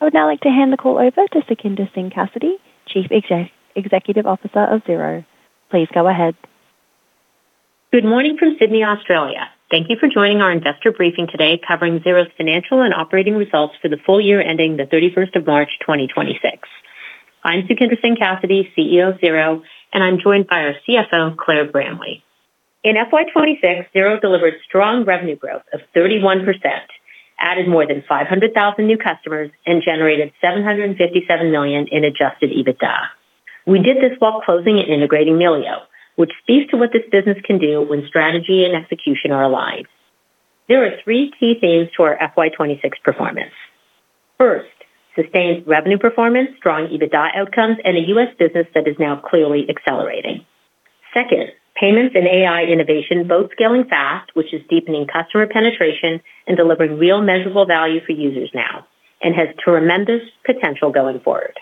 I would now like to hand the call over to Sukhinder Singh Cassidy, Chief Executive Officer of Xero. Please go ahead. Good morning from Sydney, Australia. Thank you for joining our investor briefing today covering Xero's financial and operating results for the full year ending the 31st of March 2026. I'm Sukhinder Singh Cassidy, CEO of Xero, and I'm joined by our CFO, Claire Bramley. In FY 2026, Xero delivered strong revenue growth of 31%, added more than 500,000 new customers, and generated 757 million in adjusted EBITDA. We did this while closing and integrating Melio, which speaks to what this business can do when strategy and execution are aligned. There are three key themes to our FY 2026 performance. First, sustained revenue performance, strong EBITDA outcomes, and a U.S. business that is now clearly accelerating. Second, payments and AI innovation both scaling fast, which is deepening customer penetration and delivering real measurable value for users now, and has tremendous potential going forward.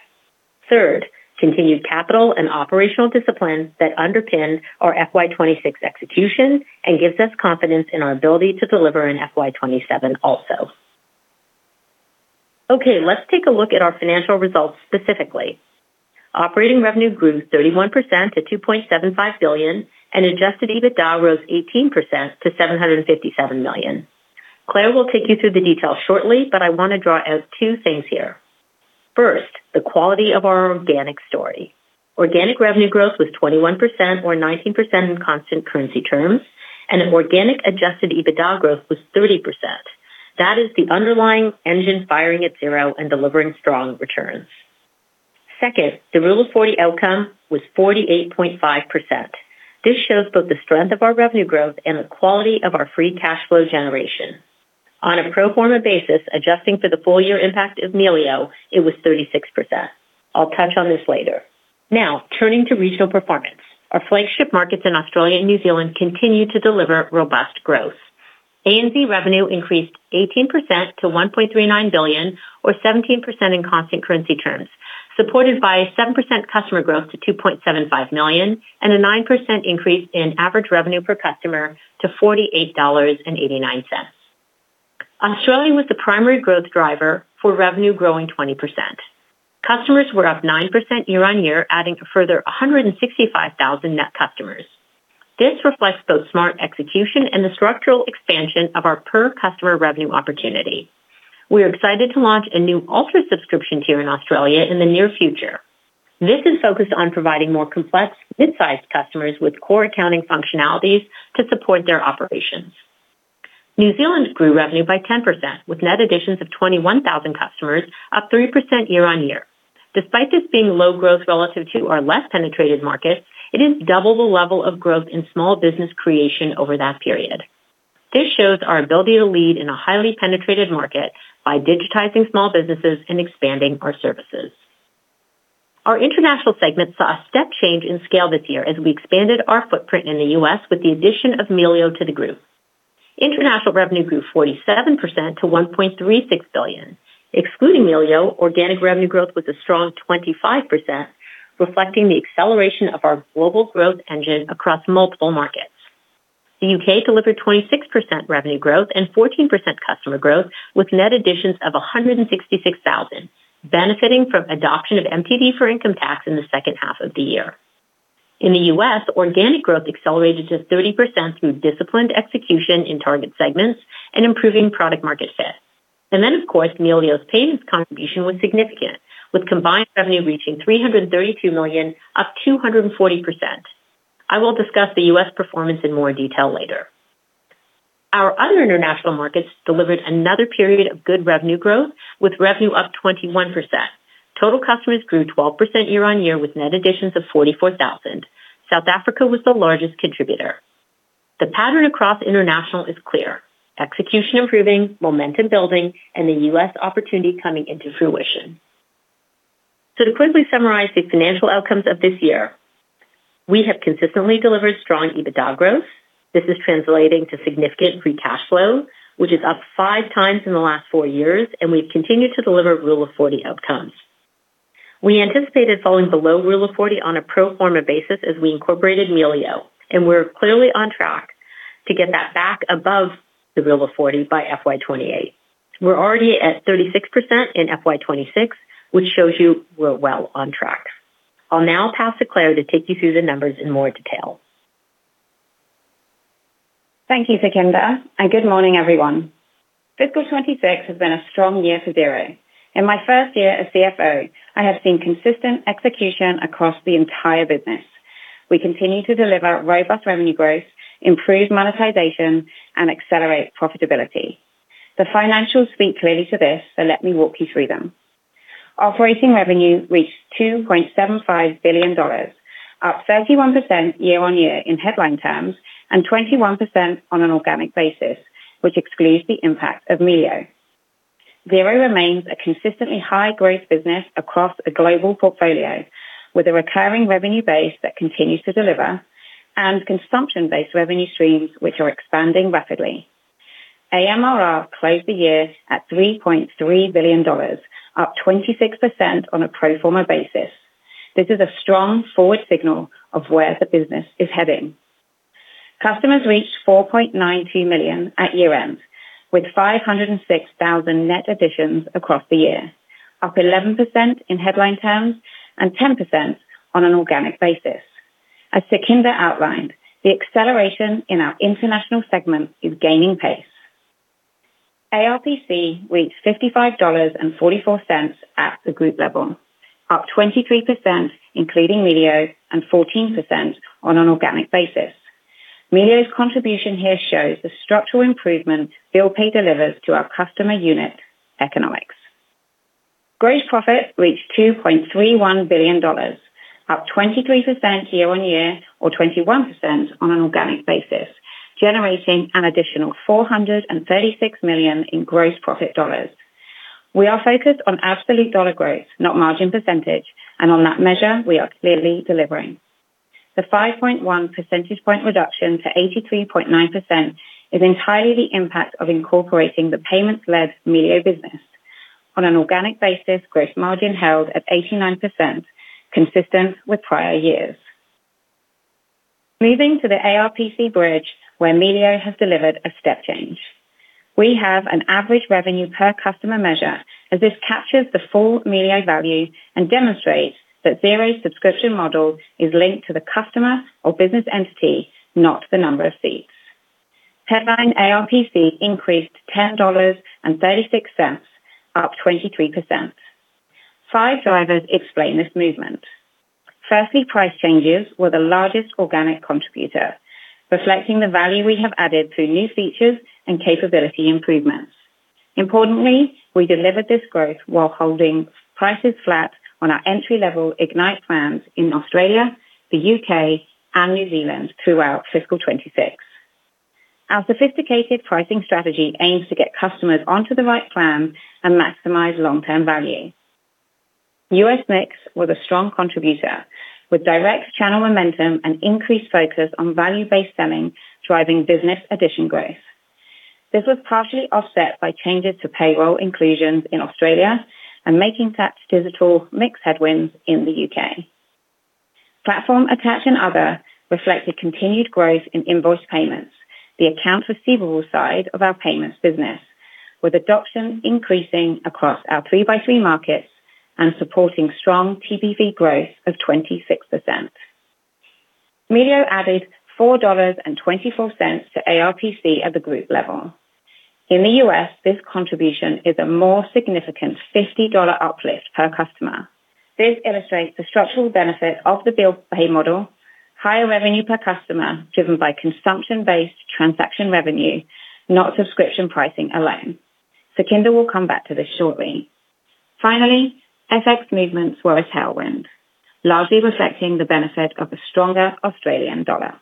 Third, continued capital and operational discipline that underpinned our FY 2026 execution and gives us confidence in our ability to deliver in FY 2027 also. Okay, let's take a look at our financial results specifically. Operating revenue grew 31% to 2.75 billion, and adjusted EBITDA rose 18% to 757 million. Claire will take you through the details shortly, but I wanna draw out two things here. First, the quality of our organic story. Organic revenue growth was 21% or 19% in constant currency terms, and an organic adjusted EBITDA growth was 30%. That is the underlying engine firing at Xero and delivering strong returns. Second, the Rule of 40 outcome was 48.5%. This shows both the strength of our revenue growth and the quality of our free cash flow generation. On a pro forma basis, adjusting for the full year impact of Melio, it was 36%. I'll touch on this later. Turning to regional performance. Our flagship markets in Australia and New Zealand continue to deliver robust growth. ANZ revenue increased 18% to 1.39 billion or 17% in constant currency terms, supported by 7% customer growth to 2.75 million and a 9% increase in average revenue per customer to 48.89 dollars. Australia was the primary growth driver for revenue growing 20%. Customers were up 9% year-on-year, adding a further 165,000 net customers. This reflects both smart execution and the structural expansion of our per customer revenue opportunity. We are excited to launch a new Ultimate subscription tier in Australia in the near future. This is focused on providing more complex mid-sized customers with core accounting functionalities to support their operations. New Zealand grew revenue by 10%, with net additions of 21,000 customers, up 3% year-on-year. Despite this being low growth relative to our less penetrated market, it is double the level of growth in small business creation over that period. This shows our ability to lead in a highly penetrated market by digitizing small businesses and expanding our services. Our International segment saw a step change in scale this year as we expanded our footprint in the U.S. with the addition of Melio to the Group. International revenue grew 47% to 1.36 billion. Excluding Melio, organic revenue growth was a strong 25%, reflecting the acceleration of our global growth engine across multiple markets. The U.K. delivered 26% revenue growth and 14% customer growth, with net additions of 166,000, benefiting from adoption of MTD for Income Tax in the second half of the year. In the U.S., organic growth accelerated to 30% through disciplined execution in target segments and improving product market fit. Then, of course, Melio's payments contribution was significant, with combined revenue reaching 332 million, up 240%. I will discuss the U.S. performance in more detail later. Our other international markets delivered another period of good revenue growth, with revenue up 21%. Total customers grew 12% year-on-year with net additions of 44,000. South Africa was the largest contributor. The pattern across international is clear. Execution improving, momentum building, and the U.S. opportunity coming into fruition. To quickly summarize the financial outcomes of this year, we have consistently delivered strong EBITDA growth. This is translating to significant free cash flow, which is up 5x in the last four years, and we've continued to deliver Rule of 40 outcomes. We anticipated falling below Rule of 40 on a pro forma basis as we incorporated Melio, and we're clearly on track to get that back above the Rule of 40 by FY 2028. We're already at 36% in FY 2026, which shows you we're well on track. I'll now pass to Claire to take you through the numbers in more detail. Thank you, Sukhinder, and good morning, everyone. Fiscal 2026 has been a strong year for Xero. In my first year as CFO, I have seen consistent execution across the entire business. We continue to deliver robust revenue growth, improve monetization, and accelerate profitability. The financials speak clearly to this, so let me walk you through them. Operating revenue reached 2.75 billion dollars, up 31% year-on-year in headline terms and 21% on an organic basis, which excludes the impact of Melio. Xero remains a consistently high-growth business across a global portfolio with a recurring revenue base that continues to deliver and consumption-based revenue streams which are expanding rapidly. AMRR closed the year at 3.3 billion dollars, up 26% on a pro forma basis. This is a strong forward signal of where the business is heading. Customers reached 4.92 million at year-end, with 506,000 net additions across the year, up 11% in headline terms and 10% on an organic basis. As Sukhinder outlined, the acceleration in our International segment is gaining pace. ARPC reached 55.44 dollars at the Group level, up 23% including Melio and 14% on an organic basis. Melio's contribution here shows the structural improvement Bill Pay delivers to our customer unit economics. Gross profit reached 2.31 billion dollars, up 23% year-on-year or 21% on an organic basis, generating an additional 436 million in gross profit dollars. We are focused on absolute dollar growth, not margin percentage, and on that measure, we are clearly delivering. The 5.1 percentage point reduction to 83.9% is entirely the impact of incorporating the payments-led Melio business. On an organic basis, gross margin held at 89%, consistent with prior years. Moving to the ARPC bridge, where Melio has delivered a step change. We have an average revenue per customer measure as this captures the full Melio value and demonstrates that Xero's subscription model is linked to the customer or business entity, not the number of seats. Headline ARPC increased 10.36 dollars, up 23%. Five drivers explain this movement. Firstly, price changes were the largest organic contributor, reflecting the value we have added through new features and capability improvements. Importantly, we delivered this growth while holding prices flat on our entry-level Ignite plans in Australia, the U.K., and New Zealand throughout FY 2026. Our sophisticated pricing strategy aims to get customers onto the right plan and maximize long-term value. U.S. mix was a strong contributor, with direct channel momentum and increased focus on value-based selling driving business addition growth. This was partially offset by changes to payroll inclusions in Australia and Making Tax Digital mix headwinds in the U.K. Platform attach and other reflected continued growth in invoice payments, the accounts receivable side of our payments business, with adoption increasing across our 3x3 markets and supporting strong TPV growth of 26%. Melio added NZD 4.24 to ARPC at the Group level. In the U.S., this contribution is a more significant $50 uplift per customer. This illustrates the structural benefit of the Bill Pay model, higher revenue per customer driven by consumption-based transaction revenue, not subscription pricing alone. Sukhinder will come back to this shortly. Finally, FX movements were a tailwind, largely reflecting the benefit of a stronger Australian dollar.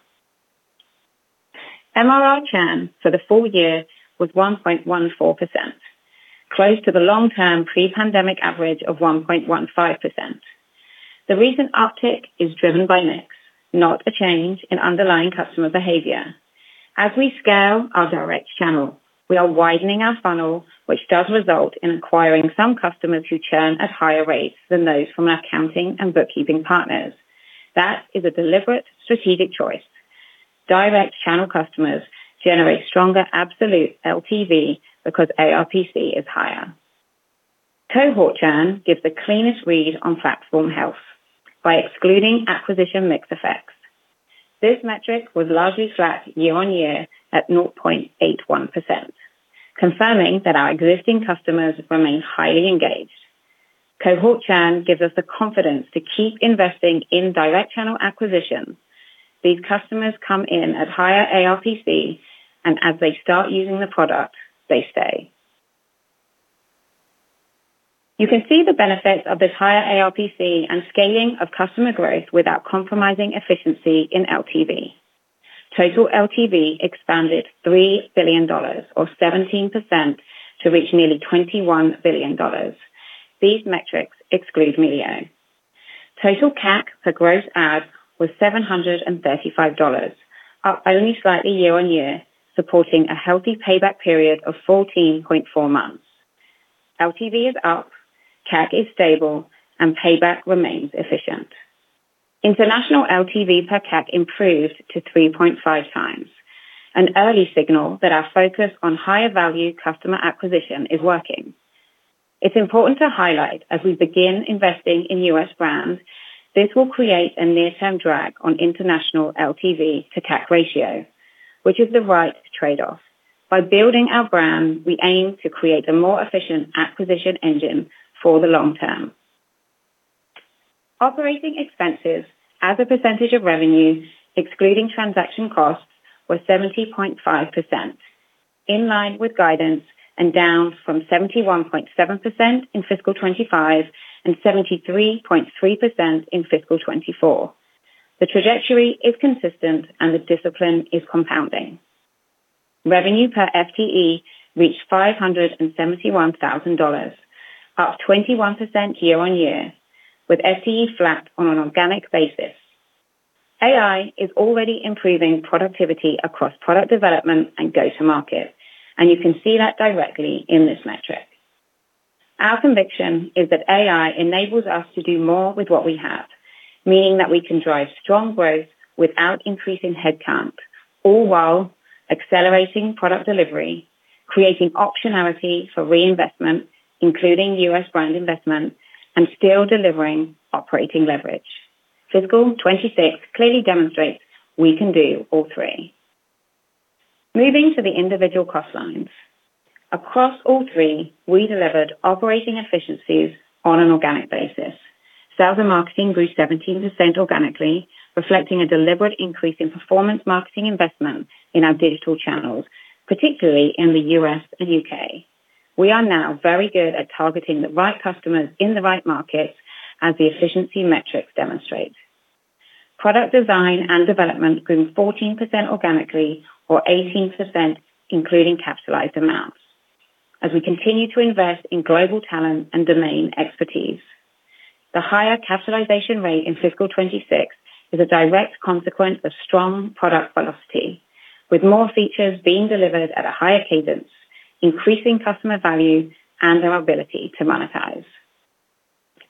MRR churn for the full year was 1.14%, close to the long-term pre-pandemic average of 1.15%. The recent uptick is driven by mix, not a change in underlying customer behavior. As we scale our direct channel, we are widening our funnel, which does result in acquiring some customers who churn at higher rates than those from our accounting and bookkeeping partners. That is a deliberate strategic choice. Direct channel customers generate stronger absolute LTV because ARPC is higher. Cohort churn gives the cleanest read on platform health by excluding acquisition mix effects. This metric was largely flat year-over-year at 0.81%, confirming that our existing customers remain highly engaged. Cohort churn gives us the confidence to keep investing in direct channel acquisitions. These customers come in at higher ARPC, and as they start using the product, they stay. You can see the benefits of this higher ARPC and scaling of customer growth without compromising efficiency in LTV. Total LTV expanded 3 billion dollars or 17% to reach nearly 21 billion dollars. These metrics exclude Melio. Total CAC per gross add was 735 dollars, up only slightly year-on-year, supporting a healthy payback period of 14.4 months. LTV is up, CAC is stable, and payback remains efficient. International LTV per CAC improves to 3.5 times, an early signal that our focus on higher value customer acquisition is working. It's important to highlight as we begin investing in U.S. brands, this will create a near-term drag on international LTV to CAC ratio, which is the right trade-off. By building our brand, we aim to create a more efficient acquisition engine for the long term. Operating expenses as a percentage of revenue, excluding transaction costs, were 70.5%, in line with guidance and down from 71.7% in FY 2025 and 73.3% in FY 2024. The trajectory is consistent, and the discipline is compounding. Revenue per FTE reached 571,000 dollars, up 21% year-over-year with FTE flat on an organic basis. AI is already improving productivity across product development and go-to-market, and you can see that directly in this metric. Our conviction is that AI enables us to do more with what we have, meaning that we can drive strong growth without increasing headcount, all while accelerating product delivery, creating optionality for reinvestment, including U.S. brand investment, and still delivering operating leverage. Fiscal 2026 clearly demonstrates we can do all three. Moving to the individual cost lines. Across all three, we delivered operating efficiencies on an organic basis. Sales and marketing grew 17% organically, reflecting a deliberate increase in performance marketing investment in our digital channels, particularly in the U.S. and U.K. We are now very good at targeting the right customers in the right markets as the efficiency metrics demonstrate. Product design and development grew 14% organically or 18% including capitalized amounts as we continue to invest in global talent and domain expertise. The higher capitalization rate in fiscal 2026 is a direct consequence of strong product velocity, with more features being delivered at a higher cadence, increasing customer value and our ability to monetize.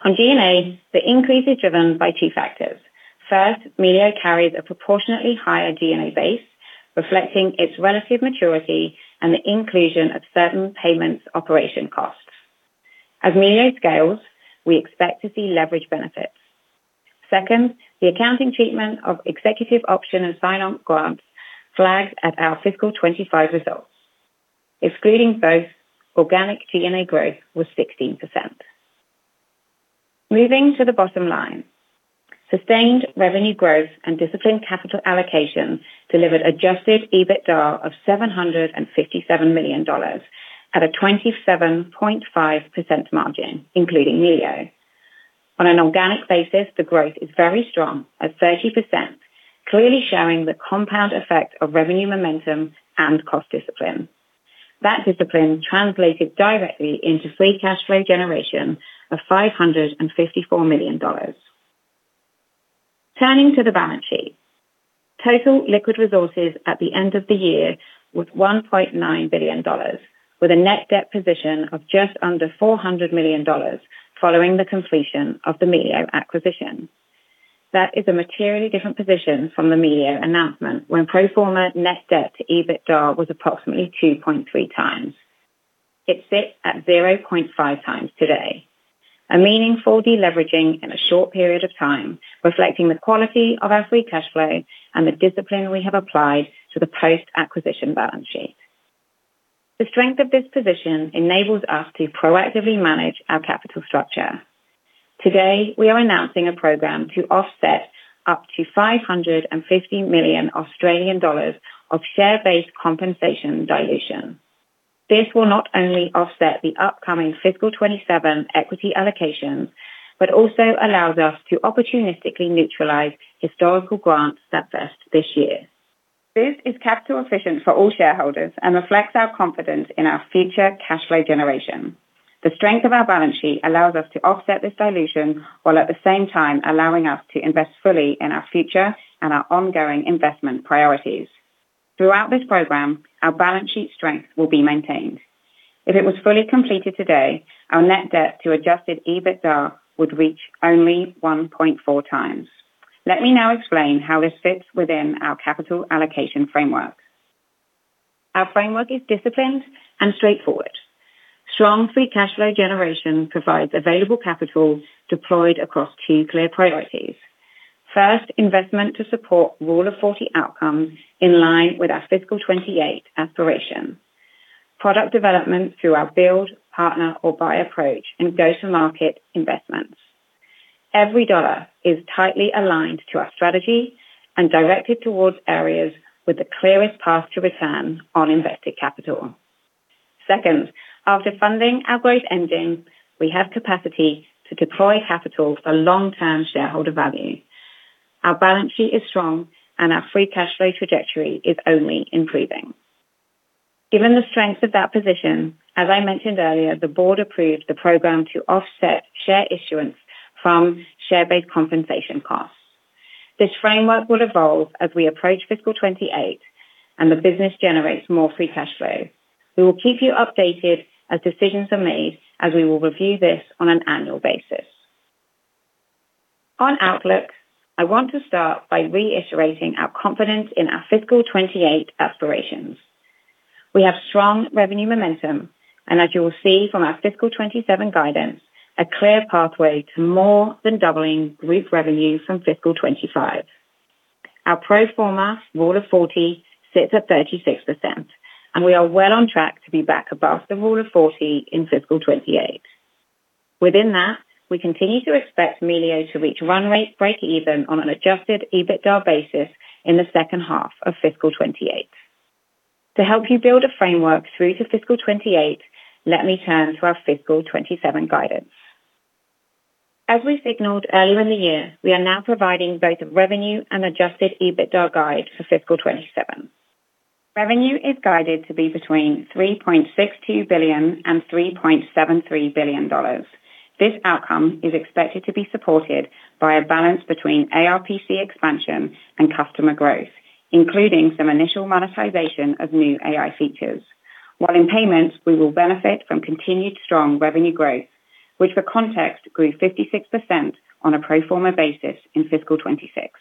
On G&A, the increase is driven by two factors. First, Melio carries a proportionately higher G&A base, reflecting its relative maturity and the inclusion of certain payments operation costs. As Melio scales, we expect to see leverage benefits. Second, the accounting treatment of executive option and sign-on grants flagged at our fiscal 2025 results. Excluding both, organic G&A growth was 16%. Moving to the bottom line. Sustained revenue growth and disciplined capital allocation delivered adjusted EBITDA of 757 million dollars at a 27.5% margin, including Melio. On an organic basis, the growth is very strong at 30%, clearly showing the compound effect of revenue momentum and cost discipline. That discipline translated directly into free cash flow generation of 554 million dollars. Turning to the balance sheet. Total liquid resources at the end of the year was 1.9 billion dollars, with a net debt position of just under 400 million dollars following the completion of the Melio acquisition. That is a materially different position from the Melio announcement, when pro forma net debt to EBITDA was approximately 2.3x. It sits at 0.5x today, a meaningful deleveraging in a short period of time, reflecting the quality of our free cash flow and the discipline we have applied to the post-acquisition balance sheet. The strength of this position enables us to proactively manage our capital structure. Today, we are announcing a program to offset up to 550 million Australian dollars of share-based compensation dilution. This will not only offset the upcoming fiscal 2027 equity allocations, but also allows us to opportunistically neutralize historical grants that vest this year. This is capital efficient for all shareholders and reflects our confidence in our future cash flow generation. The strength of our balance sheet allows us to offset this dilution while at the same time allowing us to invest fully in our future and our ongoing investment priorities. Throughout this program, our balance sheet strength will be maintained. If it was fully completed today, our net debt to adjusted EBITDA would reach only 1.4x. Let me now explain how this fits within our capital allocation framework. Our framework is disciplined and straightforward. Strong free cash flow generation provides available capital deployed across two clear priorities. First, investment to support Rule of 40 outcomes in line with our fiscal 2028 aspiration. Product development through our build, partner, or buy approach and go-to-market investments. Every dollar is tightly aligned to our strategy and directed towards areas with the clearest path to return on invested capital. Second, after funding our growth engine, we have capacity to deploy capital for long-term shareholder value. Our balance sheet is strong, and our free cash flow trajectory is only improving. Given the strength of that position, as I mentioned earlier, the board approved the program to offset share issuance from share-based compensation costs. This framework will evolve as we approach fiscal 2028 and the business generates more free cash flow. We will keep you updated as decisions are made, as we will review this on an annual basis. On outlook, I want to start by reiterating our confidence in our fiscal 2028 aspirations. We have strong revenue momentum, as you will see from our fiscal 2027 guidance, a clear pathway to more than doubling group revenue from fiscal 2025. Our pro forma Rule of 40 sits at 36%, we are well on track to be back above the Rule of 40 in fiscal 2028. Within that, we continue to expect Melio to reach run rate break even on an adjusted EBITDA basis in the second half of fiscal 2028. To help you build a framework through to fiscal 2028, let me turn to our fiscal 2027 guidance. As we signaled earlier in the year, we are now providing both revenue and adjusted EBITDA guide for fiscal 2027. Revenue is guided to be between 3.62 billion and 3.73 billion dollars. This outcome is expected to be supported by a balance between ARPC expansion and customer growth, including some initial monetization of new AI features. While in payments, we will benefit from continued strong revenue growth, which for context grew 56% on a pro forma basis in fiscal 2026.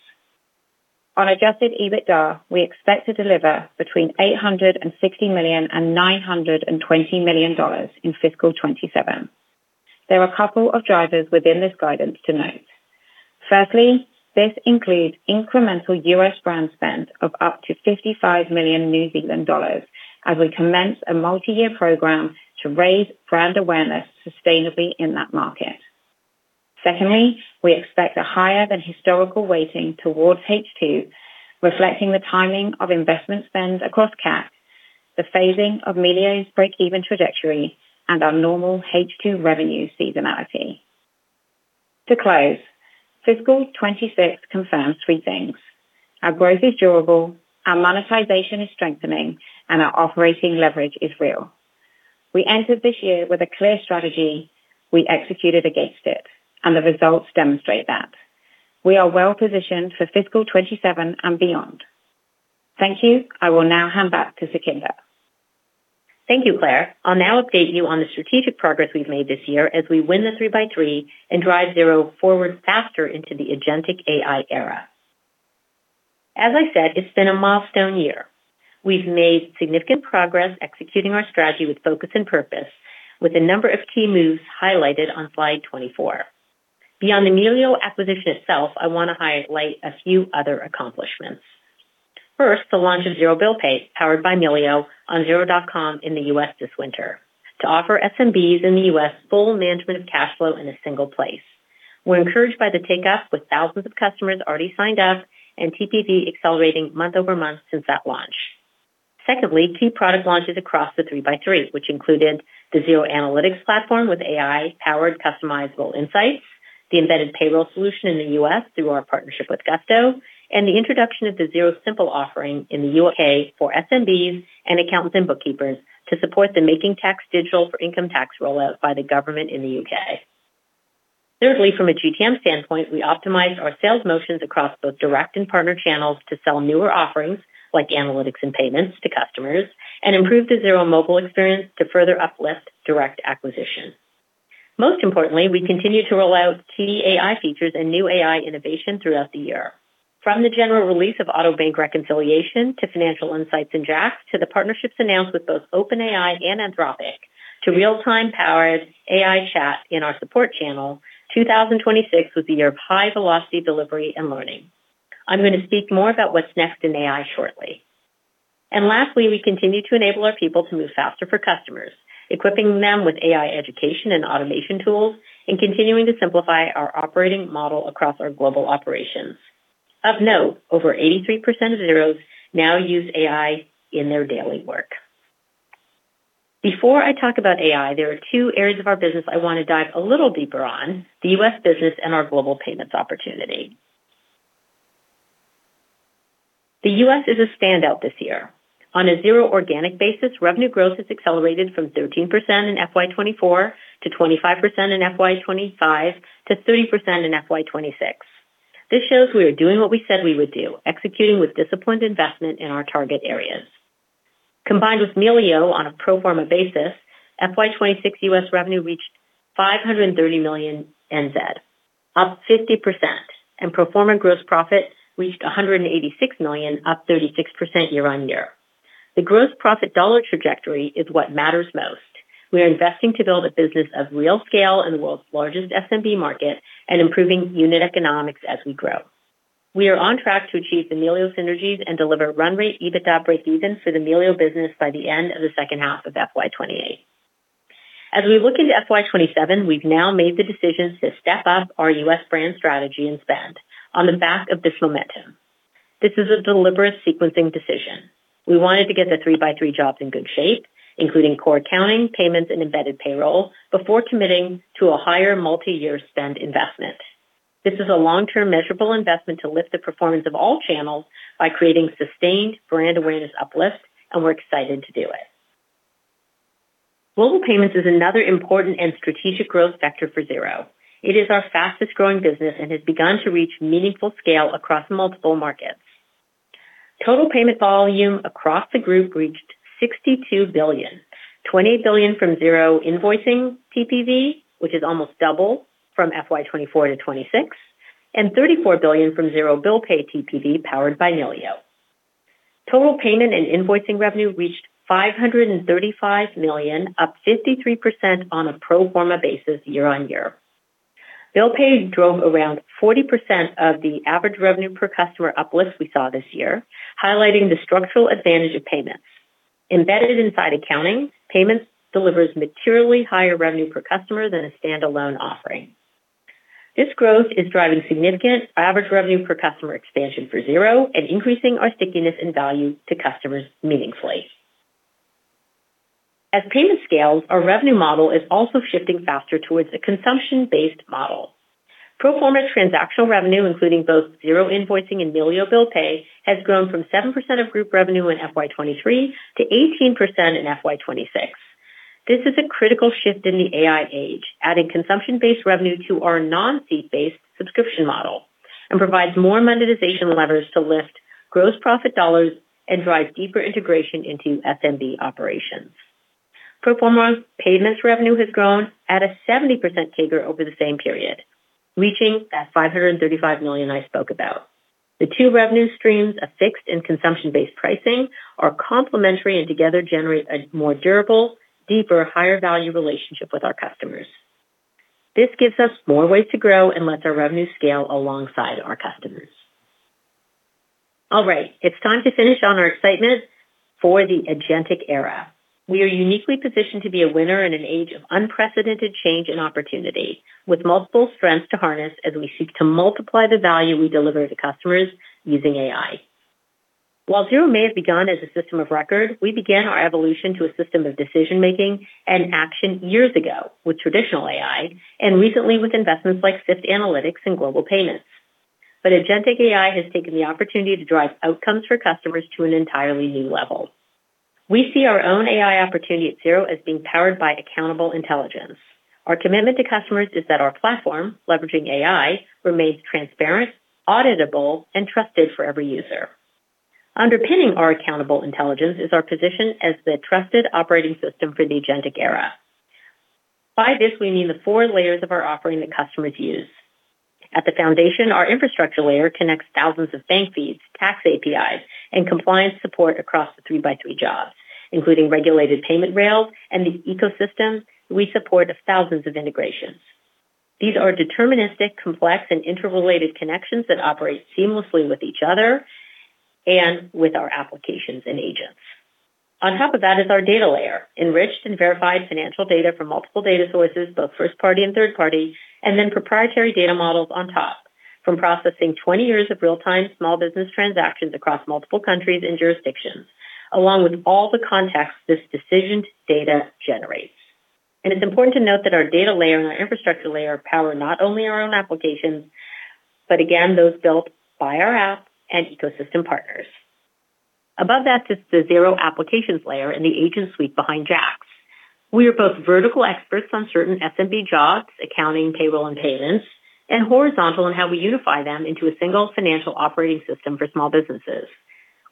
On adjusted EBITDA, we expect to deliver between 860 million and 920 million dollars in fiscal 2027. There are a couple of drivers within this guidance to note. Firstly, this includes incremental U.S. brand spend of up to 55 million New Zealand dollars as we commence a multi-year program to raise brand awareness sustainably in that market. Secondly, we expect a higher than historical weighting towards H2, reflecting the timing of investment spend across CAC, the phasing of Melio's breakeven trajectory, and our normal H2 revenue seasonality. To close, fiscal 2026 confirms three things: our growth is durable, our monetization is strengthening, and our operating leverage is real. We entered this year with a clear strategy. We executed against it, and the results demonstrate that. We are well-positioned for fiscal 2027 and beyond. Thank you. I will now hand back to Sukhinder. Thank you, Claire. I'll now update you on the strategic progress we've made this year as we win the 3x3 and drive Xero forward faster into the agentic AI era. As I said, it's been a milestone year. We've made significant progress executing our strategy with focus and purpose with a number of key moves highlighted on slide 24. Beyond the Melio acquisition itself, I wanna highlight a few other accomplishments. First, the launch of Xero Bill Pay, powered by Melio, on xero.com in the U.S. this winter to offer SMBs in the U.S. full management of cash flow in a single place. We're encouraged by the take-up, with thousands of customers already signed up and TPV accelerating month-over-month since that launch. Secondly, key product launches across the 3x3, which included the Xero Analytics platform with AI-powered customizable insights, the embedded payroll solution in the U.S. through our partnership with Gusto, and the introduction of the Xero Simple offering in the U.K. for SMBs and accountants and bookkeepers to support the Making Tax Digital for Income Tax rollout by the government in the U.K. Thirdly, from a GTM standpoint, we optimized our sales motions across both direct and partner channels to sell newer offerings, like analytics and payments, to customers, and improved the Xero mobile experience to further uplift direct acquisition. Most importantly, we continue to roll out key AI features and new AI innovation throughout the year. From the general release of auto bank reconciliation to financial insights in JAX, to the partnerships announced with both OpenAI and Anthropic, to real-time powered AI chat in our support channel, 2026 was the year of high-velocity delivery and learning. I'm gonna speak more about what's next in AI shortly. Lastly, we continue to enable our people to move faster for customers, equipping them with AI education and automation tools, and continuing to simplify our operating model across our global operations. Of note, over 83% of Xero's now use AI in their daily work. Before I talk about AI, there are two areas of our business I wanna dive a little deeper on, the U.S. business and our global payments opportunity. The U.S. is a standout this year. On a Xero organic basis, revenue growth has accelerated from 13% in FY 2024 to 25% in FY 2025 to 30% in FY 2026. This shows we are doing what we said we would do, executing with disciplined investment in our target areas. Combined with Melio on a pro forma basis, FY 2026 U.S. revenue reached 530 million, up 50%, and pro forma gross profit reached 186 million, up 36% year-on-year. The gross profit dollar trajectory is what matters most. We are investing to build a business of real scale in the world's largest SMB market and improving unit economics as we grow. We are on track to achieve the Melio synergies and deliver run rate EBITDA breakeven for the Melio business by the end of the second half of FY 2028. As we look into FY 2027, we've now made the decisions to step up our U.S. brand strategy and spend on the back of this momentum. This is a deliberate sequencing decision. We wanted to get the 3x3 jobs in good shape, including core accounting, payments, and embedded payroll, before committing to a higher multi-year spend investment. This is a long-term measurable investment to lift the performance of all channels by creating sustained brand awareness uplift. We're excited to do it. Global payments is another important and strategic growth sector for Xero. It is our fastest-growing business and has begun to reach meaningful scale across multiple markets. Total payment volume across the group reached 62 billion, 28 billion from Xero invoicing TPV, which is almost double from FY 2024 to 2026, and 34 billion from Xero Bill Pay TPV, powered by Melio. Total payment and Invoicing revenue reached 535 million, up 53% on a pro forma basis year-on-year. Bill Pay drove around 40% of the average revenue per customer uplift we saw this year, highlighting the structural advantage of payments. Embedded inside accounting, payments delivers materially higher revenue per customer than a standalone offering. This growth is driving significant average revenue per customer expansion for Xero and increasing our stickiness and value to customers meaningfully. As payment scales, our revenue model is also shifting faster towards a consumption-based model. Pro forma transactional revenue, including both Xero Invoicing and Melio Bill Pay, has grown from 7% of group revenue in FY 2023 to 18% in FY 2026. This is a critical shift in the AI age, adding consumption-based revenue to our non-seat-based subscription model, and provides more monetization levers to lift gross profit dollars and drive deeper integration into SMB operations. Pro forma payments revenue has grown at a 70% CAGR over the same period, reaching that 535 million I spoke about. The two revenue streams of fixed and consumption-based pricing are complementary and together generate a more durable, deeper, higher value relationship with our customers. This gives us more ways to grow and lets our revenue scale alongside our customers. It's time to finish on our excitement for the agentic era. We are uniquely positioned to be a winner in an age of unprecedented change and opportunity, with multiple strengths to harness as we seek to multiply the value we deliver to customers using AI. While Xero may have begun as a system of record, we began our evolution to a system of decision-making and action years ago with traditional AI, and recently with investments like Syft Analytics and global payments. Agentic AI has taken the opportunity to drive outcomes for customers to an entirely new level. We see our own AI opportunity at Xero as being powered by accountable intelligence. Our commitment to customers is that our platform, leveraging AI, remains transparent, auditable, and trusted for every user. Underpinning our accountable intelligence is our position as the trusted operating system for the agentic era. By this, we mean the four layers of our offering that customers use. At the foundation, our infrastructure layer connects thousands of bank feeds, tax APIs, and compliance support across the 3x3 jobs, including regulated payment rails and the ecosystems we support of thousands of integrations. These are deterministic, complex, and interrelated connections that operate seamlessly with each other and with our applications and agents. On top of that is our data layer, enriched and verified financial data from multiple data sources, both first party and third party. Then proprietary data models on top. From processing 20 years of real-time small business transactions across multiple countries and jurisdictions, along with all the context this decisioned data generates. It's important to note that our data layer and our infrastructure layer power not only our own applications, but again, those built by our app and ecosystem partners. Above that is the Xero applications layer and the agent suite behind JAX. We are both vertical experts on certain SMB jobs, accounting, payroll, and payments, and horizontal in how we unify them into a single financial operating system for small businesses.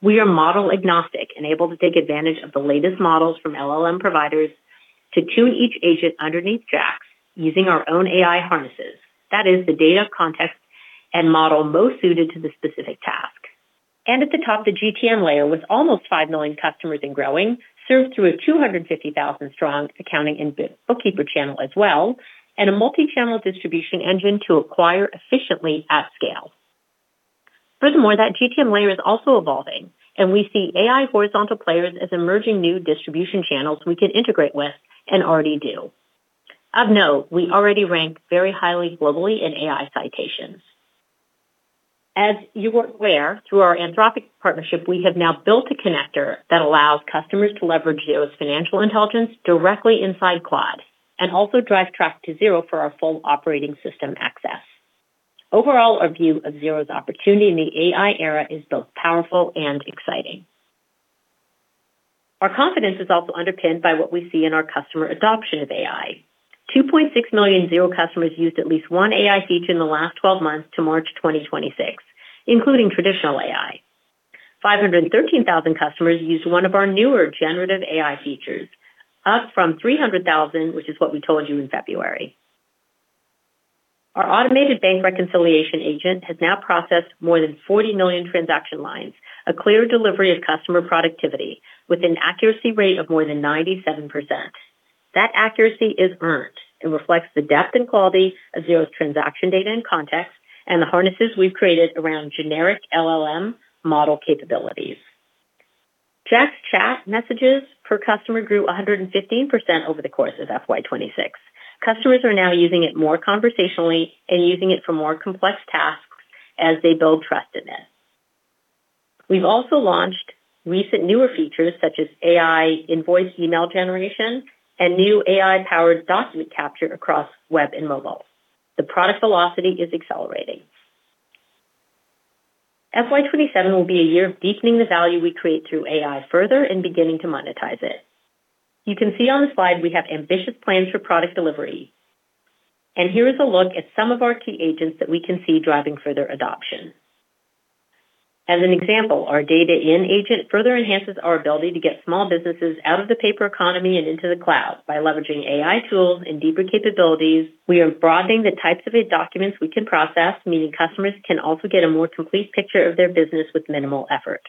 We are model agnostic and able to take advantage of the latest models from LLM providers to tune each agent underneath JAX using our own AI harnesses. That is the data context and model most suited to the specific task. At the top, the GTM layer with almost 5 million customers and growing, served through a 250,000 strong accounting and bookkeeper channel as well, and a multi-channel distribution engine to acquire efficiently at scale. Furthermore, that GTM layer is also evolving, and we see AI horizontal players as emerging new distribution channels we can integrate with and already do. Of note, we already rank very highly globally in AI citations. As you are aware, through our Anthropic partnership, we have now built a connector that allows customers to leverage Xero's financial intelligence directly inside Claude, and also drive traffic to Xero for our full operating system access. Overall, our view of Xero's opportunity in the AI era is both powerful and exciting. Our confidence is also underpinned by what we see in our customer adoption of AI. 2.6 million Xero customers used at least one AI feature in the last 12 months to March 2026, including traditional AI. 513,000 customers used one of our newer generative AI features, up from 300,000, which is what we told you in February. Our automated bank reconciliation agent has now processed more than 40 million transaction lines, a clear delivery of customer productivity with an accuracy rate of more than 97%. That accuracy is earned. It reflects the depth and quality of Xero's transaction data and context, and the harnesses we've created around generic LLM model capabilities. JAX chat messages per customer grew 115% over the course of FY 2026. Customers are now using it more conversationally and using it for more complex tasks as they build trust in this. We've also launched recent newer features such as AI invoice email generation and new AI-powered document capture across web and mobile. The product velocity is accelerating. FY 2027 will be a year of deepening the value we create through AI further and beginning to monetize it. You can see on the slide we have ambitious plans for product delivery. Here is a look at some of our key agents that we can see driving further adoption. As an example, our data agent further enhances our ability to get small businesses out of the paper economy and into the cloud. By leveraging AI tools and deeper capabilities, we are broadening the types of e-documents we can process, meaning customers can also get a more complete picture of their business with minimal effort.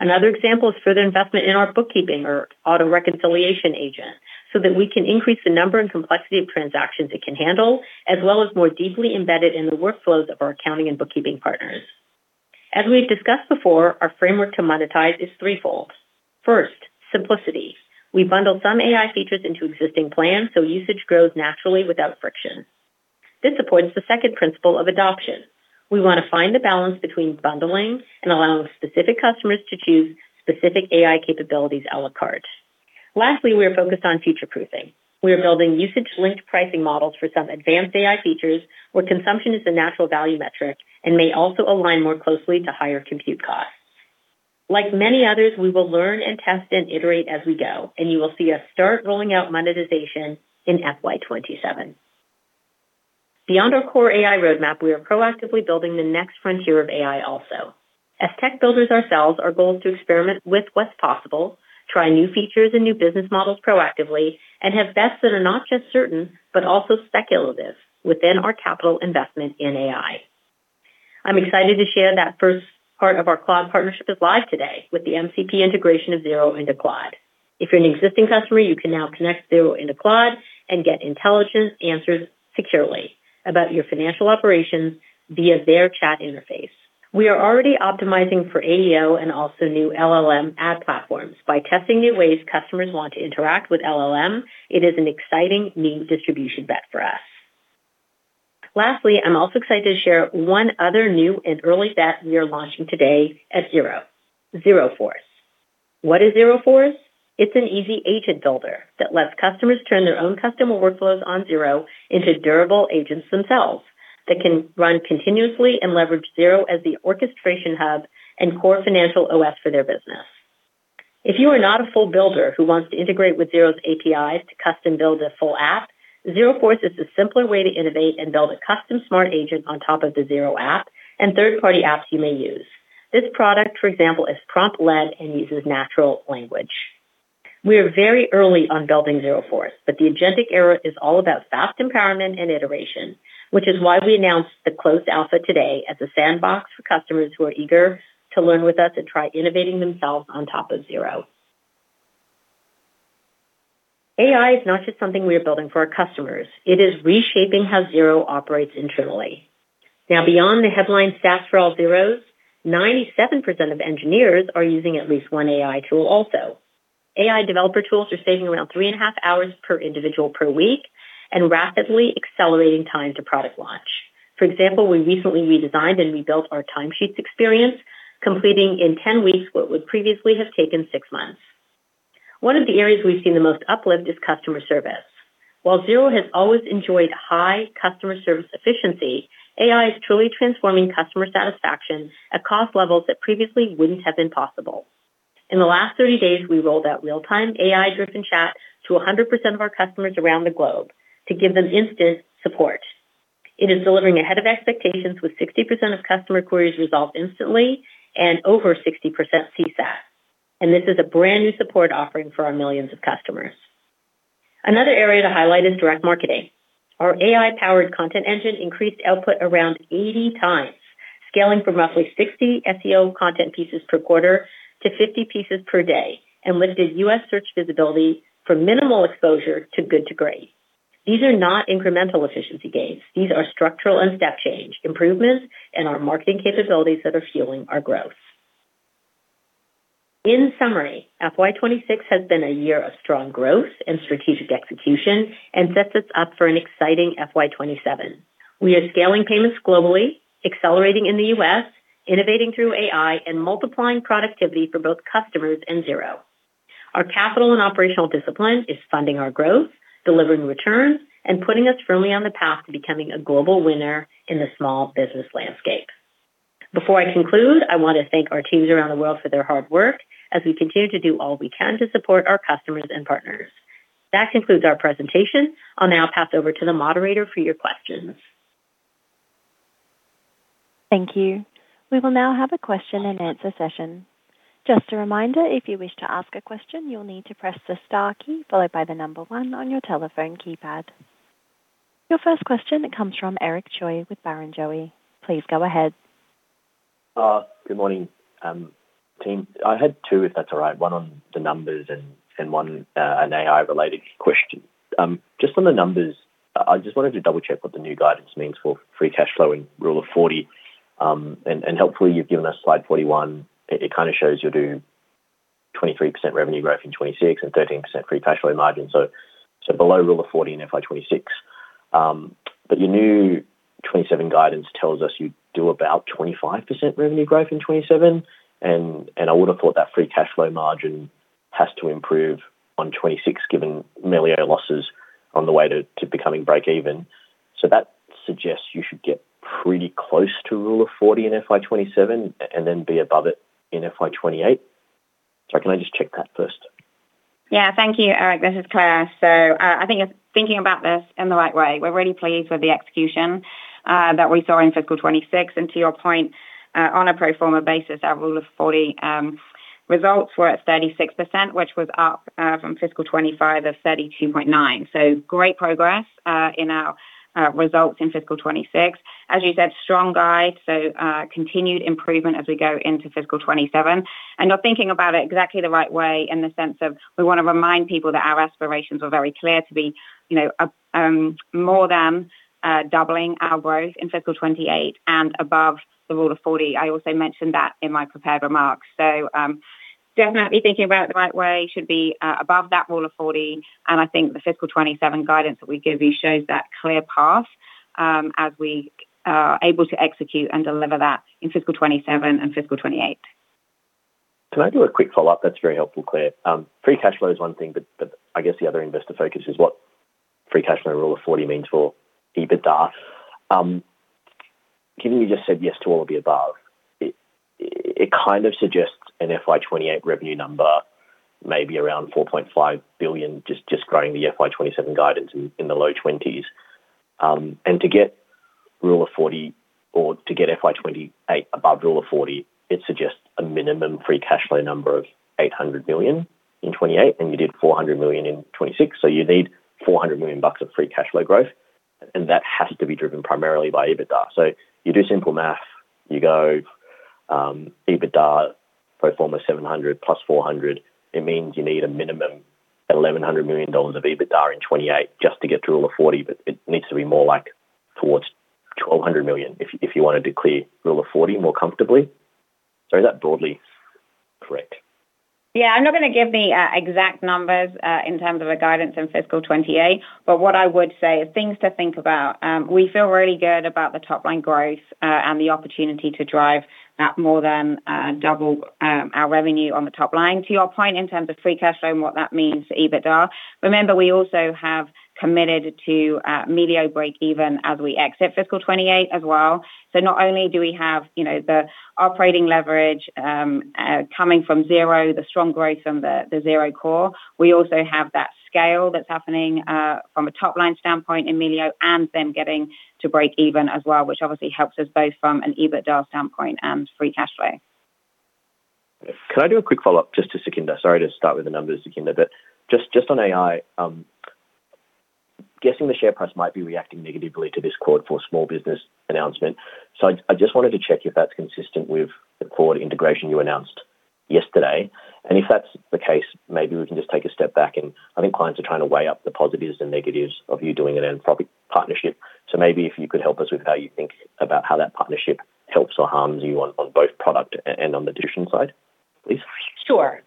Another example is further investment in our bookkeeping or auto-reconciliation agent, so that we can increase the number and complexity of transactions it can handle, as well as more deeply embed it in the workflows of our accounting and bookkeeping partners. As we've discussed before, our framework to monetize is threefold. First, simplicity. We bundle some AI features into existing plans, so usage grows naturally without friction. This supports the second principle of adoption. We want to find the balance between bundling and allowing specific customers to choose specific AI capabilities a la carte. Lastly, we are focused on future-proofing. We are building usage-linked pricing models for some advanced AI features where consumption is a natural value metric and may also align more closely to higher compute costs. Like many others, we will learn and test and iterate as we go, and you will see us start rolling out monetization in FY 2027. Beyond our core AI roadmap, we are proactively building the next frontier of AI also. As tech builders ourselves, our goal is to experiment with what's possible, try new features and new business models proactively, and have bets that are not just certain, but also speculative within our capital investment in AI. I'm excited to share that first part of our Claude partnership is live today with the MCP integration of Xero into Claude. If you're an existing customer, you can now connect Xero into Claude and get intelligent answers securely about your financial operations via their chat interface. We are already optimizing for AEO and also new LLM ad platforms by testing new ways customers want to interact with LLM. It is an exciting new distribution bet for us. Lastly, I'm also excited to share one other new and early bet we are launching today at Xero, Xero Force. What is Xero Force? It's an easy agent builder that lets customers turn their own custom workflows on Xero into durable agents themselves that can run continuously and leverage Xero as the orchestration hub and core financial OS for their business. If you are not a full builder who wants to integrate with Xero's APIs to custom-build a full app, Xero Force is the simpler way to innovate and build a custom smart agent on top of the Xero app and third-party apps you may use. This product, for example, is prompt-led and uses natural language. We are very early on building Xero Force, but the agentic era is all about fast empowerment and iteration, which is why we announced the closed alpha today as a sandbox for customers who are eager to learn with us and try innovating themselves on top of Xero. AI is not just something we are building for our customers. It is reshaping how Xero operates internally. Beyond the headline stats for all Xeros, 97% of engineers are using at least one AI tool also. AI developer tools are saving around three and a half hours per individual per week and rapidly accelerating time to product launch. For example, we recently redesigned and rebuilt our time sheets experience, completing in 10 weeks what would previously have taken six months. One of the areas we've seen the most uplift is customer service. While Xero has always enjoyed high customer service efficiency, AI is truly transforming customer satisfaction at cost levels that previously wouldn't have been possible. In the last 30 days, we rolled out real-time AI-driven chat to 100% of our customers around the globe to give them instant support. It is delivering ahead of expectations with 60% of customer queries resolved instantly and over 60% CSAT. This is a brand-new support offering for our millions of customers. Another area to highlight is direct marketing. Our AI-powered content engine increased output around 80x, scaling from roughly 60 SEO content pieces per quarter to 50 pieces per day, and lifted U.S. search visibility from minimal exposure to good to great. These are not incremental efficiency gains. These are structural and step change improvements in our marketing capabilities that are fueling our growth. In summary, FY 2026 has been a year of strong growth and strategic execution and sets us up for an exciting FY 2027. We are scaling payments globally, accelerating in the U.S., innovating through AI, and multiplying productivity for both customers and Xero. Our capital and operational discipline is funding our growth, delivering returns, and putting us firmly on the path to becoming a global winner in the small business landscape. Before I conclude, I want to thank our teams around the world for their hard work as we continue to do all we can to support our customers and partners. That concludes our presentation. I will now pass over to the moderator for your questions. Thank you. We will now have a question-and-answer session. Just a reminder, if you wish to ask a question, you'll need to press the star key followed by the number one on your telephone keypad. Your first question comes from Eric Choi with Barrenjoey. Please go ahead. Good morning, team. I had two, if that's all right, one on the numbers and one, an AI-related question. Just on the numbers, I just wanted to double-check what the new guidance means for free cash flow and Rule of 40. Helpfully, you've given us slide 41. It kinda shows you do 23% revenue growth in FY 2026 and 13% free cash flow margin, below Rule of 40 in FY 2026. Your new FY 2027 guidance tells us you do about 25% revenue growth in FY 2027, and I would have thought that free cash flow margin has to improve on FY 2026, given Melio losses on the way to becoming break even. That suggests you should get pretty close to Rule of 40 in FY 2027 and then be above it in FY 2028. Sorry, can I just check that first? Yeah. Thank you, Eric. This is Claire Bramley. I think it's thinking about this in the right way. We're really pleased with the execution that we saw in fiscal 2026. To your point, on a pro forma basis, our Rule of 40 results were at 36%, which was up from fiscal 2025 of 32.9%. Great progress in our results in fiscal 2026. As you said, strong guide, continued improvement as we go into fiscal 2027. You're thinking about it exactly the right way in the sense of we want to remind people that our aspirations were very clear to be, you know, more than doubling our growth in fiscal 2028 and above the Rule of 40. I also mentioned that in my prepared remarks. Definitely thinking about it the right way should be above that Rule of 40, and I think the fiscal 2027 guidance that we give you shows that clear path as we are able to execute and deliver that in fiscal 2027 and fiscal 2028. Can I do a quick follow-up? That's very helpful, Claire. Free cash flow is one thing, but I guess the other investor focus is what free cash flow Rule of 40 means for EBITDA. Given you just said yes to all of the above, it kind of suggests an FY 2028 revenue number, maybe around 4.5 billion, just growing the FY 2027 guidance in the low 20s. To get Rule of 40 or to get FY 2028 above Rule of 40, it suggests a minimum free cash flow number of 800 million in 2028, and you did 400 million in 2026. You need 400 million bucks of free cash flow growth, and that has to be driven primarily by EBITDA. You do simple math. You go, EBITDA pro forma 700 + 400, it means you need a minimum 1,100 million dollars of EBITDA in 2028 just to get to Rule of 40, but it needs to be more like towards 1.2 billion if you wanted to clear Rule of 40 more comfortably. Is that broadly correct? Yeah. I'm not gonna give the exact numbers in terms of the guidance in fiscal 2028, but what I would say is things to think about. We feel really good about the top-line growth and the opportunity to drive at more than double our revenue on the top line. To your point, in terms of free cash flow and what that means to EBITDA, remember we also have committed to Melio break even as we exit fiscal 2028 as well. Not only do we have, you know, the operating leverage coming from Xero, the strong growth from the Xero core, we also have that scale that's happening from a top-line standpoint in Melio and them getting to break even as well, which obviously helps us both from an EBITDA standpoint and free cash flow. Can I do a quick follow-up just to Sukhinder? Sorry to start with the numbers, Sukhinder. Just on AI, guessing the share price might be reacting negatively to this Claude for small business announcement. I just wanted to check if that's consistent with the Claude integration you announced yesterday. If that's the case, maybe we can just take a step back, and I think clients are trying to weigh up the positives and negatives of you doing an Anthropic partnership. Maybe if you could help us with how you think about how that partnership helps or harms you on both product and on the distribution side, please. Sure.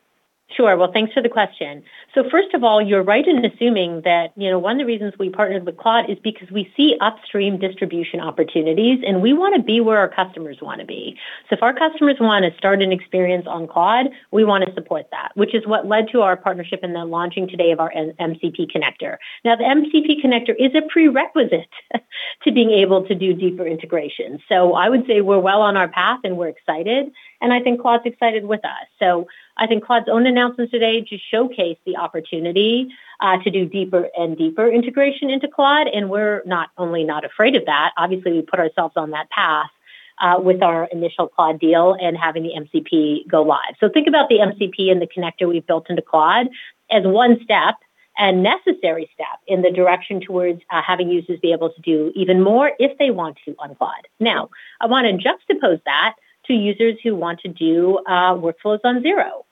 Sure. Well, thanks for the question. First of all, you're right in assuming that, you know, one of the reasons we partnered with Claude is because we see upstream distribution opportunities, and we wanna be where our customers wanna be. If our customers wanna start an experience on Claude, we wanna support that, which is what led to our partnership and the launching today of our MCP connector. Now, the MCP connector is a prerequisite to being able to do deeper integration. I would say we're well on our path, and we're excited, and I think Claude's excited with us. I think Claude's own announcements today just showcase the opportunity to do deeper and deeper integration into Claude, and we're not only not afraid of that, obviously, we put ourselves on that path with our initial Claude deal and having the MCP go live. Think about the MCP and the connector we've built into Claude as one step, a necessary step in the direction towards having users be able to do even more if they want to on Claude. Now, I wanna juxtapose that to users who want to do workflows on Xero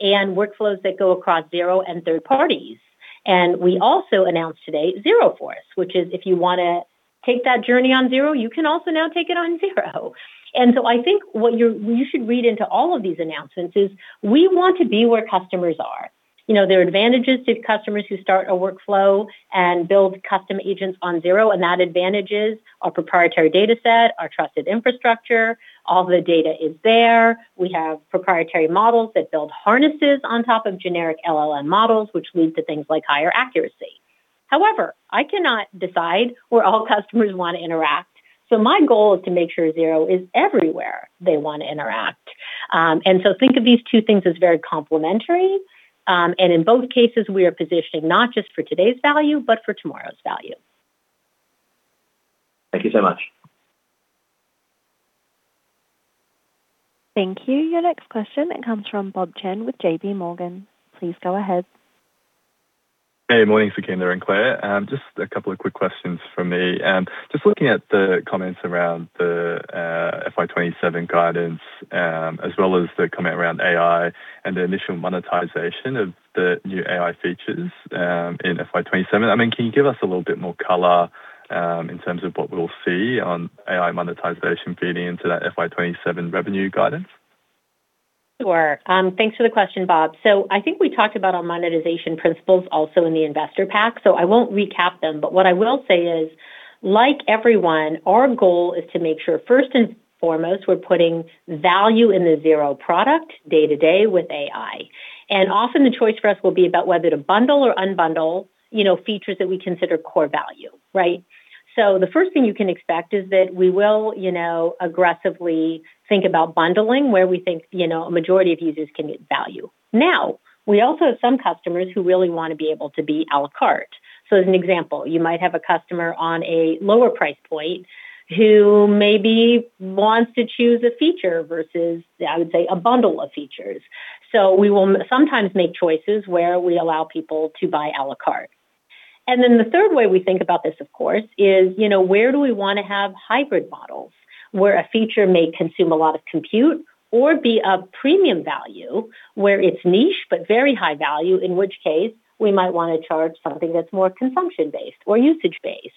and workflows that go across Xero and third parties. We also announced today Xero Force, which is if you wanna take that journey on Xero, you can also now take it on Xero. I think what you should read into all of these announcements is we want to be where customers are. You know, there are advantages to customers who start a workflow and build custom agents on Xero, and that advantage is our proprietary dataset, our trusted infrastructure, all the data is there. We have proprietary models that build harnesses on top of generic LLM models, which lead to things like higher accuracy. However, I cannot decide where all customers want to interact, so my goal is to make sure Xero is everywhere they want to interact. Think of these two things as very complementary. In both cases, we are positioning not just for today's value, but for tomorrow's value. Thank you so much. Thank you. Your next question comes from Bob Chen with JPMorgan. Please go ahead. Hey, morning, Sukhinder and Claire. Just a couple of quick questions from me. Just looking at the comments around the FY 2027 guidance, as well as the comment around AI and the initial monetization of the new AI features in FY 2027. I mean, can you give us a little bit more color in terms of what we'll see on AI monetization feeding into that FY 2027 revenue guidance? Sure. Thanks for the question, Bob. I think we talked about our monetization principles also in the investor pack, so I won't recap them. What I will say is, like everyone, our goal is to make sure first and foremost, we're putting value in the Xero product day to day with AI. Often the choice for us will be about whether to bundle or unbundle, you know, features that we consider core value, right? The first thing you can expect is that we will, you know, aggressively think about bundling where we think, you know, a majority of users can get value. Now, we also have some customers who really wanna be able to be a la carte. As an example, you might have a customer on a lower price point who maybe wants to choose a feature versus, I would say, a bundle of features. We will sometimes make choices where we allow people to buy a la carte. The third way we think about this, of course, is, you know, where do we wanna have hybrid models, where a feature may consume a lot of compute or be of premium value, where it's niche but very high value, in which case we might wanna charge something that's more consumption-based or usage-based.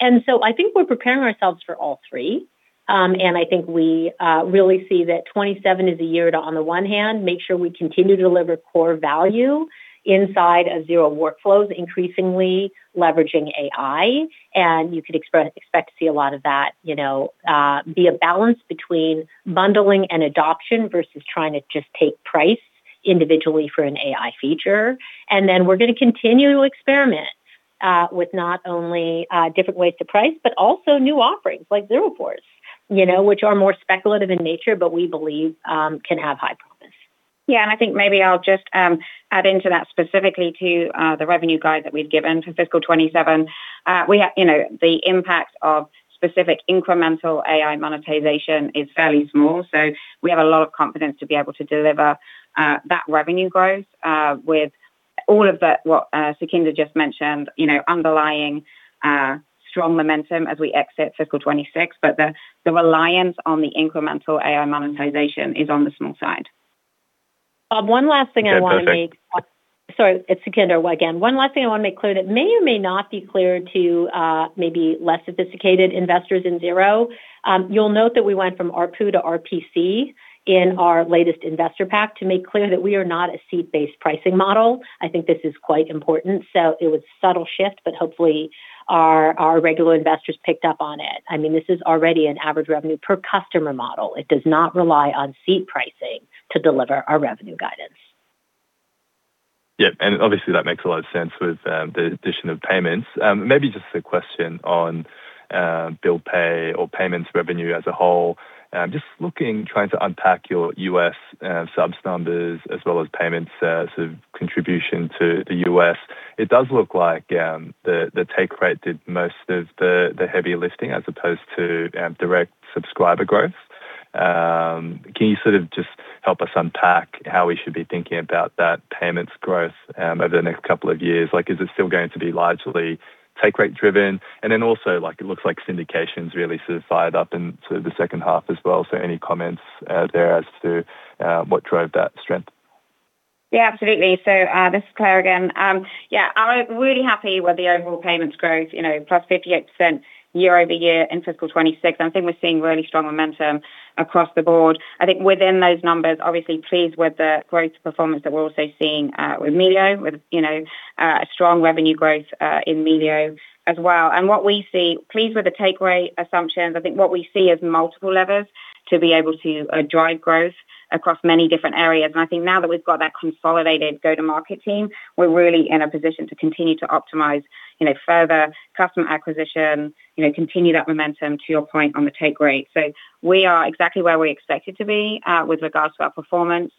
I think we're preparing ourselves for all three. I think we really see that 2027 is a year to, on the one hand, make sure we continue to deliver core value inside of Xero workflows, increasingly leveraging AI. You could expect to see a lot of that, you know, be a balance between bundling and adoption versus trying to just take price individually for an AI feature. Then we're gonna continue to experiment with not only different ways to price, but also new offerings like Xero Reports, you know, which are more speculative in nature, but we believe can have high promise. Yeah. I think maybe I'll just add into that specifically to the revenue guide that we've given for fiscal 2027. We have, you know, the impact of specific incremental AI monetization is fairly small, so we have a lot of confidence to be able to deliver that revenue growth with all of the, what, Sukhinder just mentioned, you know, underlying strong momentum as we exit fiscal 2026. The reliance on the incremental AI monetization is on the small side. One last thing I wanna make- Okay, perfect. Sorry. It's Sukhinder again. One last thing I wanna make clear that may or may not be clear to maybe less sophisticated investors in Xero. You'll note that we went from ARPU to RPC in our latest investor pack to make clear that we are not a seat-based pricing model. I think this is quite important. It was subtle shift, but hopefully our regular investors picked up on it. I mean, this is already an average revenue per customer model. It does not rely on seat pricing to deliver our revenue guidance. Yeah. Obviously, that makes a lot of sense with the addition of payments. Maybe just a question on bill pay or payments revenue as a whole. Just looking, trying to unpack your U.S. subs numbers as well as payments as a contribution to the U.S. It does look like the take rate did most of the heavier lifting as opposed to direct subscriber growth. Can you sort of just help us unpack how we should be thinking about that payments growth over the next couple of years? Like, is this still going to be largely take rate driven? Also, like, it looks like syndication's really sort of fired up into the second half as well. Any comments there as to what drove that strength? Absolutely. This is Claire again. I'm really happy with the overall payments growth, you know, +58% year-over-year in FY 2026. I think we're seeing really strong momentum across the board. I think within those numbers, obviously pleased with the growth performance that we're also seeing with Melio, with, you know, a strong revenue growth in Melio as well. What we see, pleased with the take rate assumptions. I think what we see is multiple levers to be able to drive growth across many different areas. I think now that we've got that consolidated go-to-market team, we're really in a position to continue to optimize, you know, further customer acquisition, you know, continue that momentum, to your point, on the take rate. We are exactly where we expected to be, with regards to our performance,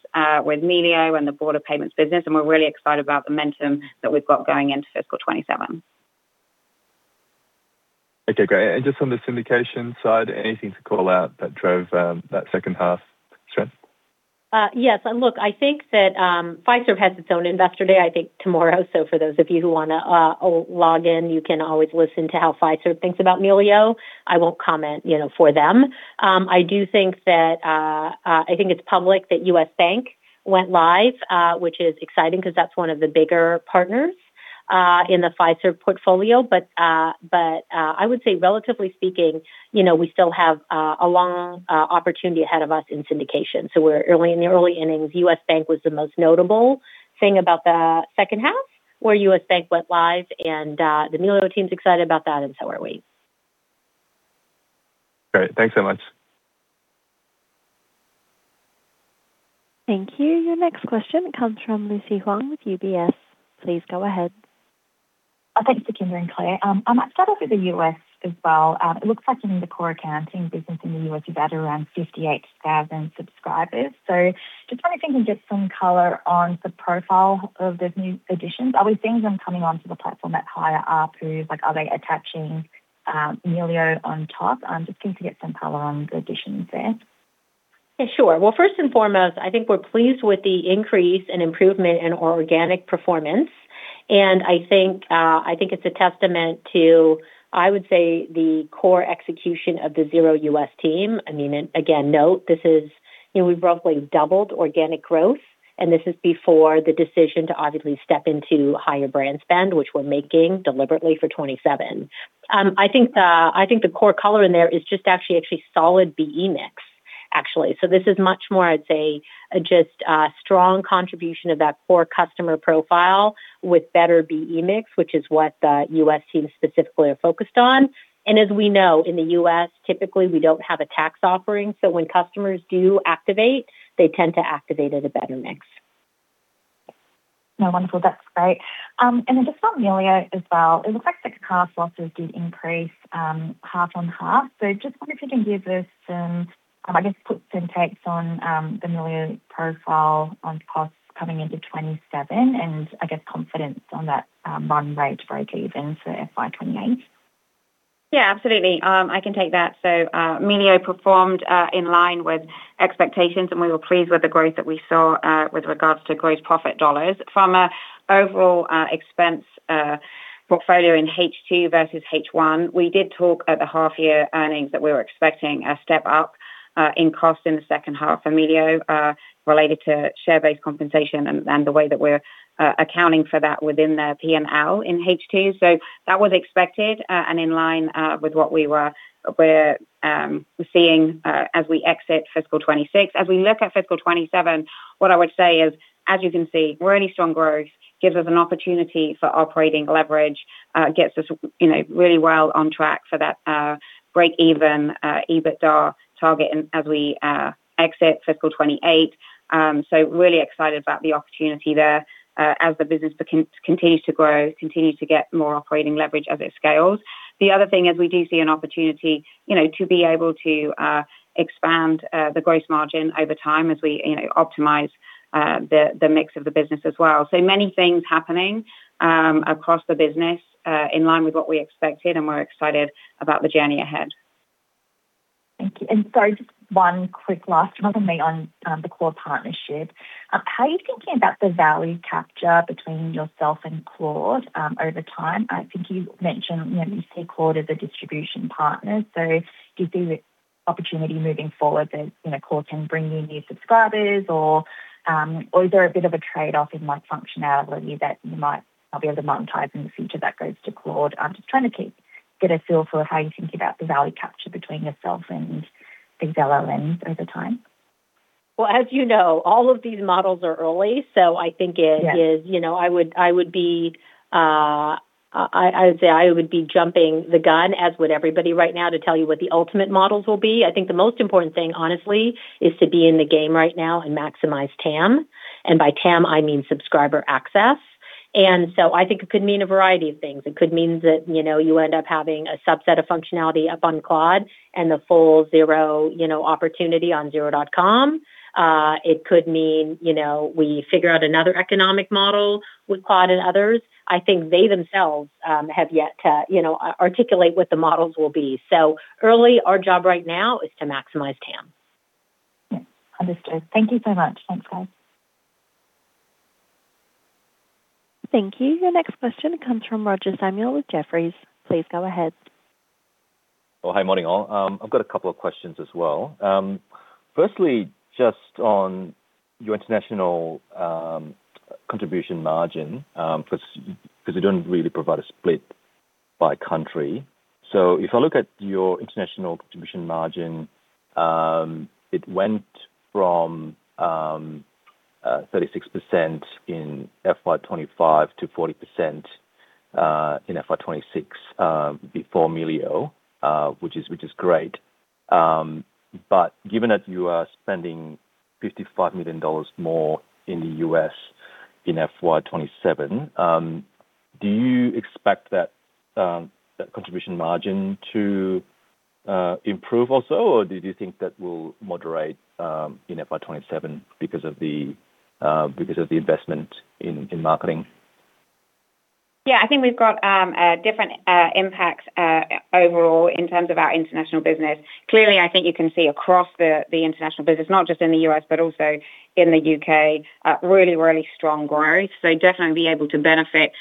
with Melio and the broader payments business, and we're really excited about the momentum that we've got going into fiscal 2027. Okay, great. Just on the syndication side, anything to call out that drove that second half strength? Yes. Look, I think that Fiserv has its own Investor Day, I think tomorrow. For those of you who wanna log in, you can always listen to how Fiserv thinks about Melio. I won't comment, you know, for them. I do think that I think it's public that U.S. Bank went live, which is exciting 'cause that's one of the bigger partners in the Fiserv portfolio. I would say relatively speaking, you know, we still have a long opportunity ahead of us in syndication. We're early in the early innings. U.S. Bank was the most notable thing about the second half, where U.S. Bank went live, and the Melio team's excited about that, and so are we. Great. Thanks so much. Thank you. Your next question comes from Lucy Huang with UBS. Please go ahead. Thanks, Sukhinder and Claire. I might start off with the U.S. as well. It looks like in the core accounting business in the U.S., you've added around 58,000 subscribers. Just wondering if you can give some color on the profile of those new additions. Are we seeing them coming onto the platform at higher ARPU? Like, are they attaching, Melio on top? Just keen to get some color on the additions there. Yeah, sure. Well, first and foremost, I think we're pleased with the increase and improvement in organic performance. I think, I think it's a testament to, I would say, the core execution of the Xero U.S. team. I mean, again, note this is, you know, we've roughly doubled organic growth, and this is before the decision to obviously step into higher brand spend, which we're making deliberately for 2027. I think the core color in there is just actually solid BE mix, actually. This is much more, I'd say, just a strong contribution of that core customer profile with better BE mix, which is what the U.S. teams specifically are focused on. As we know, in the U.S., typically, we don't have a tax offering, so when customers do activate, they tend to activate at a better mix. No, wonderful. That's great. Just on Melio as well, it looks like second half losses did increase half on half. Just wonder if you can give us some, I guess, put some takes on the Melio profile on costs coming into 2027 and I guess confidence on that run rate breakeven for FY 2028. Yeah, absolutely. I can take that. Melio performed in line with expectations, and we were pleased with the growth that we saw with regards to gross profit dollars. From a overall expense portfolio in H2 versus H1, we did talk at the half year earnings that we were expecting a step up in cost in the second half for Melio related to share-based compensation and the way that we're accounting for that within the P&L in H2. That was expected and in line with what we're seeing as we exit fiscal 2026. As we look at fiscal 2027, what I would say is, as you can see, really strong growth gives us an opportunity for operating leverage, gets us, you know, really well on track for that break even EBITDA target as we exit fiscal 2028. Really excited about the opportunity there as the business continues to grow, continues to get more operating leverage as it scales. The other thing is we do see an opportunity, you know, to be able to expand the gross margin over time as we, you know, optimize the mix of the business as well. Many things happening across the business in line with what we expected, and we're excited about the journey ahead. Thank you. Sorry, just one quick last one from me on the Claude partnership. How are you thinking about the value capture between yourself and Claude over time? I think you mentioned, you know, you see Claude as a distribution partner. Do you see the opportunity moving forward that, you know, Claude can bring you new subscribers or is there a bit of a trade-off in like functionality that you might not be able to monetize in the future that goes to Claude? I'm just trying to get a feel for how you're thinking about the value capture between yourself and these LLMs over time. Well, as you know, all of these models are early so- Yeah. -is, you know, I would be, I would say I would be jumping the gun, as would everybody right now, to tell you what the ultimate models will be. I think the most important thing, honestly, is to be in the game right now and maximize TAM. By TAM, I mean subscriber access. I think it could mean a variety of things. It could mean that, you know, you end up having a subset of functionality up on Claude and the full Xero, you know, opportunity on xero.com. It could mean, you know, we figure out another economic model with Claude and others. I think they themselves have yet to, you know, articulate what the models will be. Early, our job right now is to maximize TAM. Yeah. Understood. Thank you so much. Thanks, guys. Thank you. Your next question comes from Roger Samuel with Jefferies. Please go ahead. Oh, hi, morning all. I've got a couple of questions as well. Firstly, just on your International contribution margin, cause you don't really provide a split by country. If I look at your International contribution margin, it went from 36% in FY 2025 to 40% in FY 2026, before Melio, which is great. Given that you are spending 55 million dollars more in the U.S. in FY 2027, do you expect that contribution margin to improve also? Do you think that will moderate in FY 2027 because of the investment in marketing? I think we've got different impacts overall in terms of our International business. I think you can see across the International business, not just in the U.S., but also in the U.K., really strong growth. Definitely be able to benefit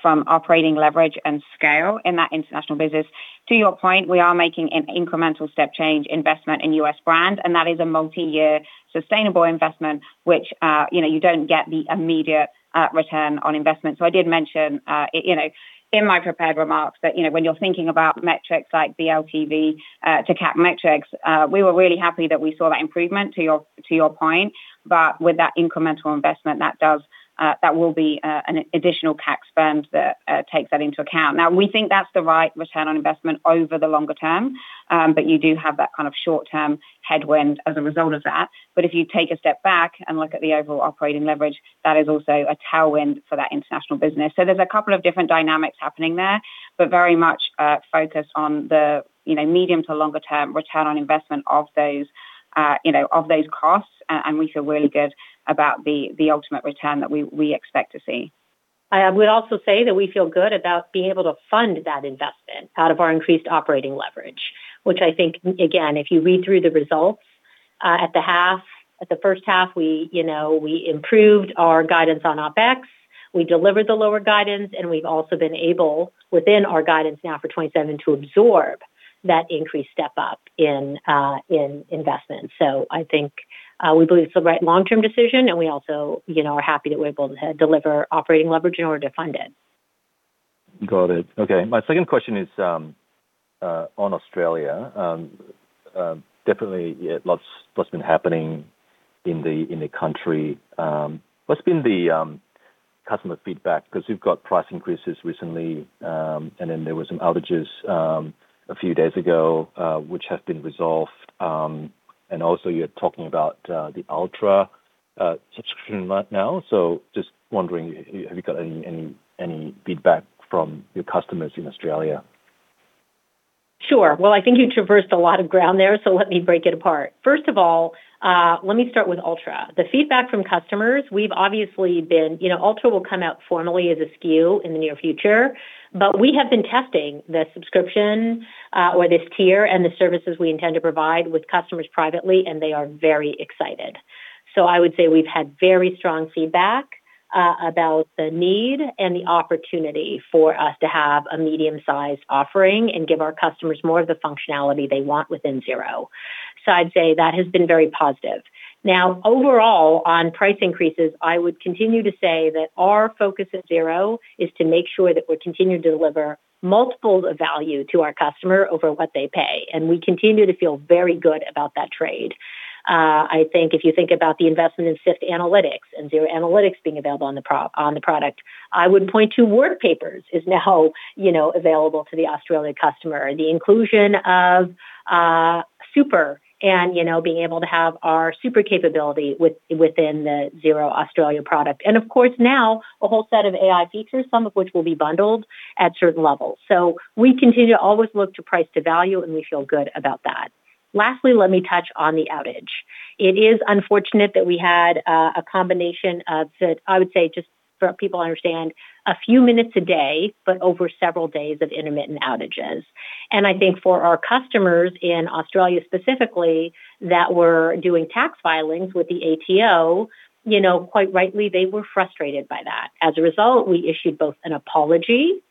from operating leverage and scale in that international business. To your point, we are making an incremental step change investment in U.S. brand, that is a multi-year sustainable investment, which, you know, you don't get the immediate return on investment. I did mention, you know, in my prepared remarks that, you know, when you're thinking about metrics like LTV to CAC metrics, we were really happy that we saw that improvement to your point. With that incremental investment, that will be an additional CAC spend that takes that into account. We think that's the right return on investment over the longer term, but you do have that kind of short-term headwind as a result of that. If you take a step back and look at the overall operating leverage, that is also a tailwind for that International business. There's a couple of different dynamics happening there, but very much focused on the, you know, medium to longer term return on investment of those, you know, of those costs, and we feel really good about the ultimate return that we expect to see. I would also say that we feel good about being able to fund that investment out of our increased operating leverage, which I think, again, if you read through the results, at the half, at the first half, we, you know, we improved our guidance on OpEx. We delivered the lower guidance, and we've also been able, within our guidance now for 2027, to absorb that increased step-up in investment. I think, we believe it's the right long-term decision, and we also, you know, are happy that we're able to deliver operating leverage in order to fund it. Got it. Okay. My second question is on Australia. Definitely, yeah, lot's been happening in the country. What's been the customer feedback? 'Cause you've got price increases recently, and then there were some outages a few days ago, which have been resolved. Also you're talking about the Ultra subscription right now. Just wondering, have you got any feedback from your customers in Australia? Sure. Well, I think you traversed a lot of ground there, so let me break it apart. First of all, let me start with Ultra. The feedback from customers, we've obviously been You know, Ultra will come out formally as a SKU in the near future, but we have been testing the subscription, or this tier, and the services we intend to provide with customers privately, and they are very excited. I would say we've had very strong feedback about the need and the opportunity for us to have a medium-sized offering and give our customers more of the functionality they want within Xero. I'd say that has been very positive. Overall, on price increases, I would continue to say that our focus at Xero is to make sure that we continue to deliver multiples of value to our customer over what they pay, and we continue to feel very good about that trade. I think if you think about the investment in Syft Analytics and Xero Analytics being available on the product, I would point to Xero Workpapers is now, you know, available to the Australian customer. The inclusion of super and, you know, being able to have our Super capability within the Xero Australia product. Of course, now a whole set of AI features, some of which will be bundled at certain levels. We continue to always look to price to value, and we feel good about that. Lastly, let me touch on the outage. It is unfortunate that we had a combination of I would say, just for people to understand, a few minutes a day, but over several days of intermittent outages. I think for our customers in Australia specifically that were doing tax filings with the ATO, you know, quite rightly, they were frustrated by that. As a result, we issued both an apology,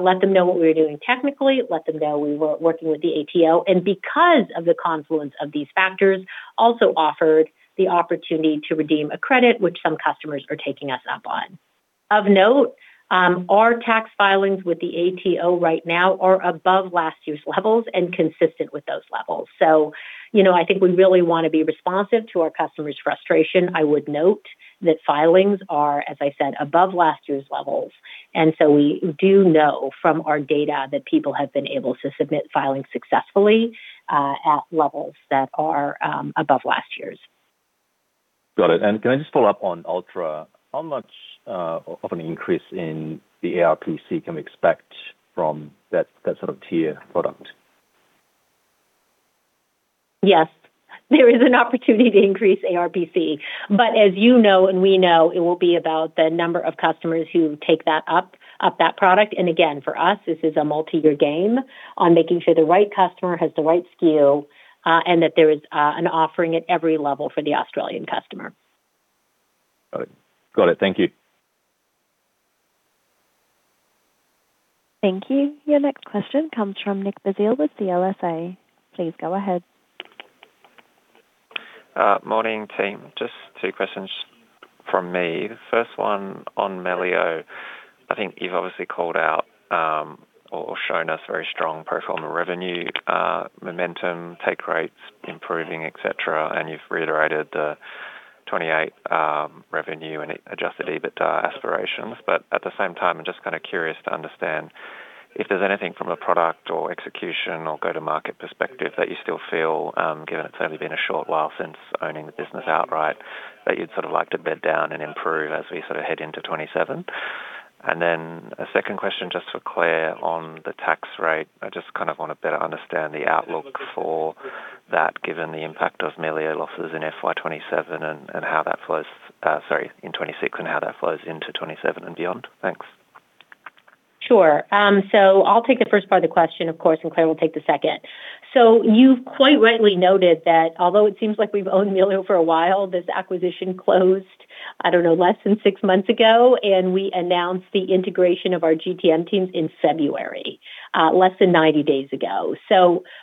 let them know what we were doing technically, let them know we were working with the ATO, and because of the confluence of these factors, also offered the opportunity to redeem a credit, which some customers are taking us up on. Of note, our tax filings with the ATO right now are above last year's levels and consistent with those levels. You know, I think we really wanna be responsive to our customers' frustration. I would note that filings are, as I said, above last year's levels. We do know from our data that people have been able to submit filings successfully, at levels that are, above last year's. Got it. Can I just follow up on Ultra? How much of an increase in the ARPC can we expect from that sort of tier product? Yes. There is an opportunity to increase ARPC. As you know and we know, it will be about the number of customers who take that up that product. Again, for us, this is a multi-year game on making sure the right customer has the right SKU, and that there is an offering at every level for the Australian customer. Got it. Thank you. Thank you. Your next question comes from Nick Basile with CLSA. Please go ahead. Morning, team. Just two questions from me. The first one on Melio. I think you've obviously called out, or shown us very strong pro forma revenue momentum, take rates, improving, et cetera, and you've reiterated the 2028 revenue and adjusted EBITDA aspirations. At the same time, I'm just kind of curious to understand if there's anything from a product or execution or go-to-market perspective that you still feel, given it's only been a short while since owning the business outright, that you'd sort of like to bed down and improve as we sort of head into 2027. A second question, just for Claire on the tax rate. I just kind of wanna better understand the outlook for that, given the impact of Melio losses in FY 2027 and how that flows, Sorry, in 2026, and how that flows into 2027 and beyond. Thanks. Sure. I'll take the first part of the question, of course, and Claire will take the second. You've quite rightly noted that although it seems like we've owned Melio for a while, this acquisition closed, I don't know, less than six months ago, and we announced the integration of our GTM teams in February, less than 90 days ago.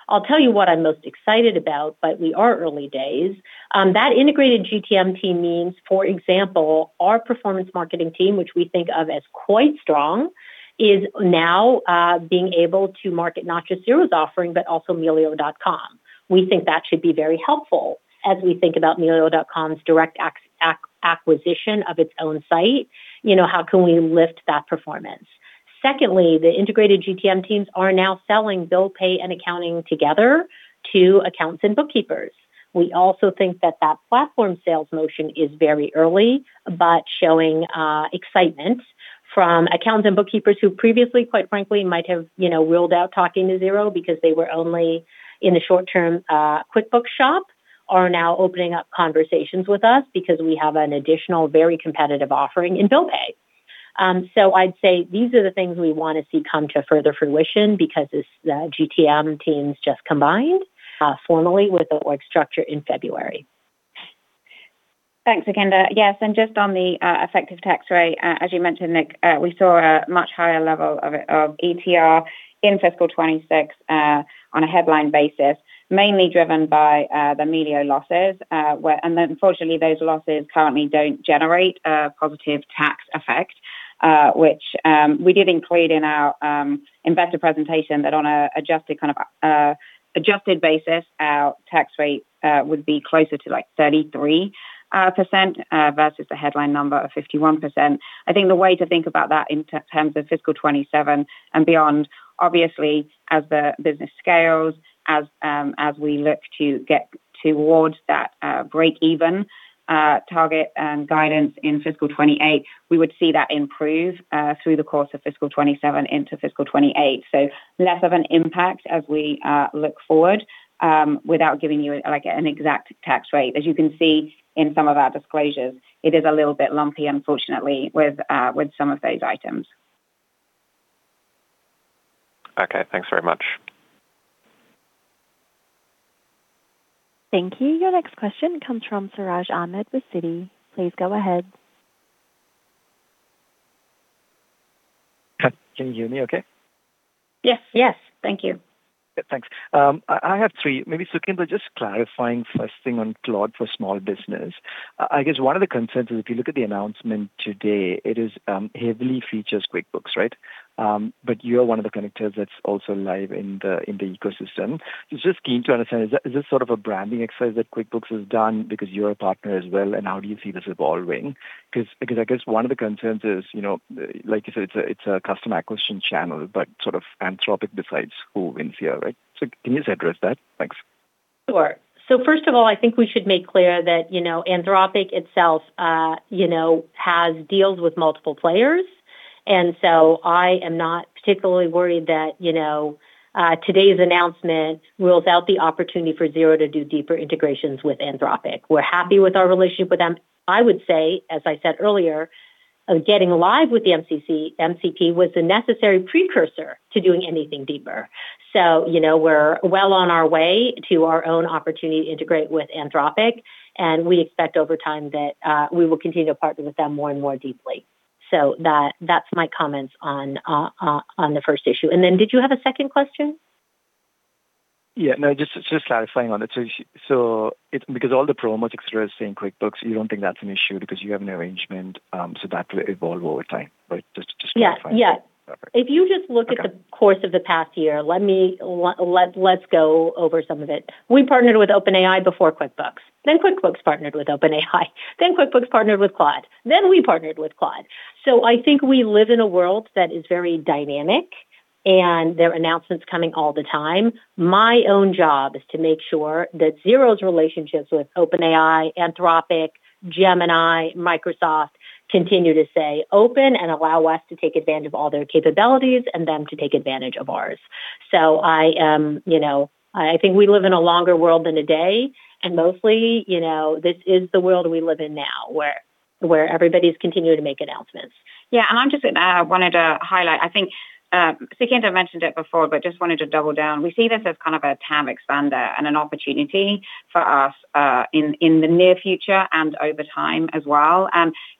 I'll tell you what I'm most excited about, but we are early days. That integrated GTM team means, for example, our performance marketing team, which we think of as quite strong, is now being able to market not just Xero's offering, but also Melio. We think that should be very helpful as we think about Melio's direct acquisition of its own site. You know, how can we lift that performance? Secondly, the integrated GTM teams are now selling Bill Pay and accounting together to accounts and bookkeepers. We also think that that platform sales motion is very early, but showing excitement from accountants and bookkeepers who previously, quite frankly, might have, you know, ruled out talking to Xero because they were only in the short term, QuickBooks shop, are now opening up conversations with us because we have an additional very competitive offering in Bill Pay. So I'd say these are the things we wanna see come to further fruition because the GTM team's just combined formally with the org structure in February. Thanks, Sukhinder. Yes, just on the effective tax rate, as you mentioned, Nick, we saw a much higher level of ETR in fiscal 2026 on a headline basis, mainly driven by the Melio losses. Unfortunately, those losses currently don't generate a positive tax effect, which we did include in our investor presentation that on an adjusted kind of adjusted basis, our tax rate would be closer to, like, 33% versus the headline number of 51%. I think the way to think about that in terms of fiscal 2027 and beyond, obviously, as the business scales, as we look to get towards that break even target and guidance in fiscal 2028, we would see that improve through the course of fiscal 2027 into fiscal 2028. Less of an impact as we look forward, without giving you, like, an exact tax rate. As you can see in some of our disclosures, it is a little bit lumpy, unfortunately, with some of those items. Okay. Thanks very much. Thank you. Your next question comes from Siraj Ahmed with Citi. Please go ahead. Can you hear me okay? Yes. Yes. Thank you. Thanks. I have three. Maybe, Sukhinder, just clarifying first thing on Claude for Small Business. I guess one of the concerns is if you look at the announcement today, it is heavily features QuickBooks, right? You're one of the connectors that's also live in the ecosystem. Just keen to understand, is this sort of a branding exercise that QuickBooks has done because you're a partner as well, and how do you see this evolving? Because I guess one of the concerns is, you know, like you said, it's a customer acquisition channel, but sort of Anthropic decides who wins here, right? Can you just address that? Thanks. Sure. First of all, I think we should make clear that, you know, Anthropic itself, you know, has deals with multiple players. I am not particularly worried that, you know, today's announcement rules out the opportunity for Xero to do deeper integrations with Anthropic. We're happy with our relationship with them. I would say, as I said earlier, getting live with the MCP was the necessary precursor to doing anything deeper. You know, we're well on our way to our own opportunity to integrate with Anthropic, and we expect over time that we will continue to partner with them more and more deeply. That, that's my comments on the first issue. Did you have a second question? No, just clarifying on it. Because all the promos, et cetera, are saying QuickBooks, you don't think that's an issue because you have an arrangement, so that will evolve over time. Right. Just, just clarifying. Yeah. Yeah. Perfect. If you just look at the- Okay -course of the past year, let's go over some of it. We partnered with OpenAI before QuickBooks. QuickBooks partnered with OpenAI. QuickBooks partnered with Claude. We partnered with Claude. I think we live in a world that is very dynamic, and there are announcements coming all the time. My own job is to make sure that Xero's relationships with OpenAI, Anthropic, Gemini, Microsoft, continue to stay open and allow us to take advantage of all their capabilities and them to take advantage of ours. I am, you know I think we live in a longer world than today, and mostly, you know, this is the world we live in now, where everybody's continuing to make announcements. I just wanted to highlight, I think, Sukhinder mentioned it before, but just wanted to double down. We see this as kind of a TAM expander and an opportunity for us in the near future and over time as well.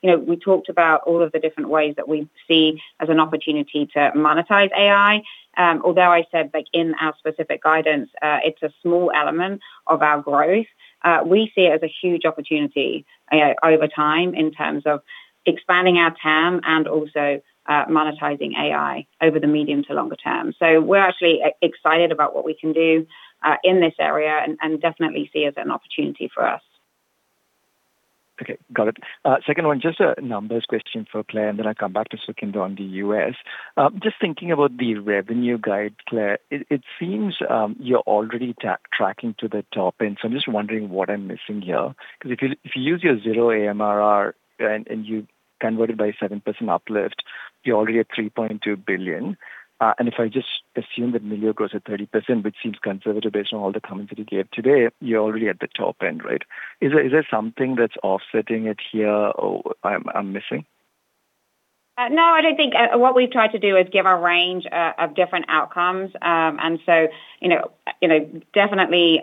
You know, we talked about all of the different ways that we see as an opportunity to monetize AI. Although I said, like in our specific guidance, it's a small element of our growth, we see it as a huge opportunity over time in terms of expanding our TAM and also monetizing AI over the medium to longer term. We're actually excited about what we can do in this area and definitely see it as an opportunity for us. Okay. Got it. Second one, just a numbers question for Claire, and then I come back to Sukhanda on the U.S. Just thinking about the revenue guide, Claire, it seems you're already tracking to the top end, so I'm just wondering what I'm missing here. Because if you use your Xero AMRR and you convert it by 7% uplift, you're already at 3.2 billion. If I just assume that Melio grows at 30%, which seems conservative based on all the comments that you gave today, you're already at the top end, right? Is there something that's offsetting it here or I'm missing? No, I don't think. What we've tried to do is give a range of different outcomes. So, you know, you know, definitely,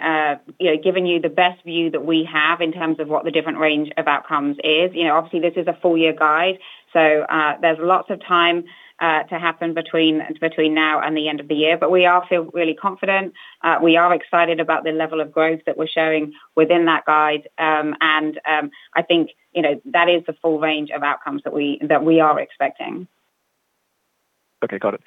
you know, giving you the best view that we have in terms of what the different range of outcomes is. You know, obviously, this is a full-year guide, so there's lots of time to happen between now and the end of the year. We are feel really confident. We are excited about the level of growth that we're showing within that guide. I think, you know, that is the full range of outcomes that we are expecting. Okay. Got it.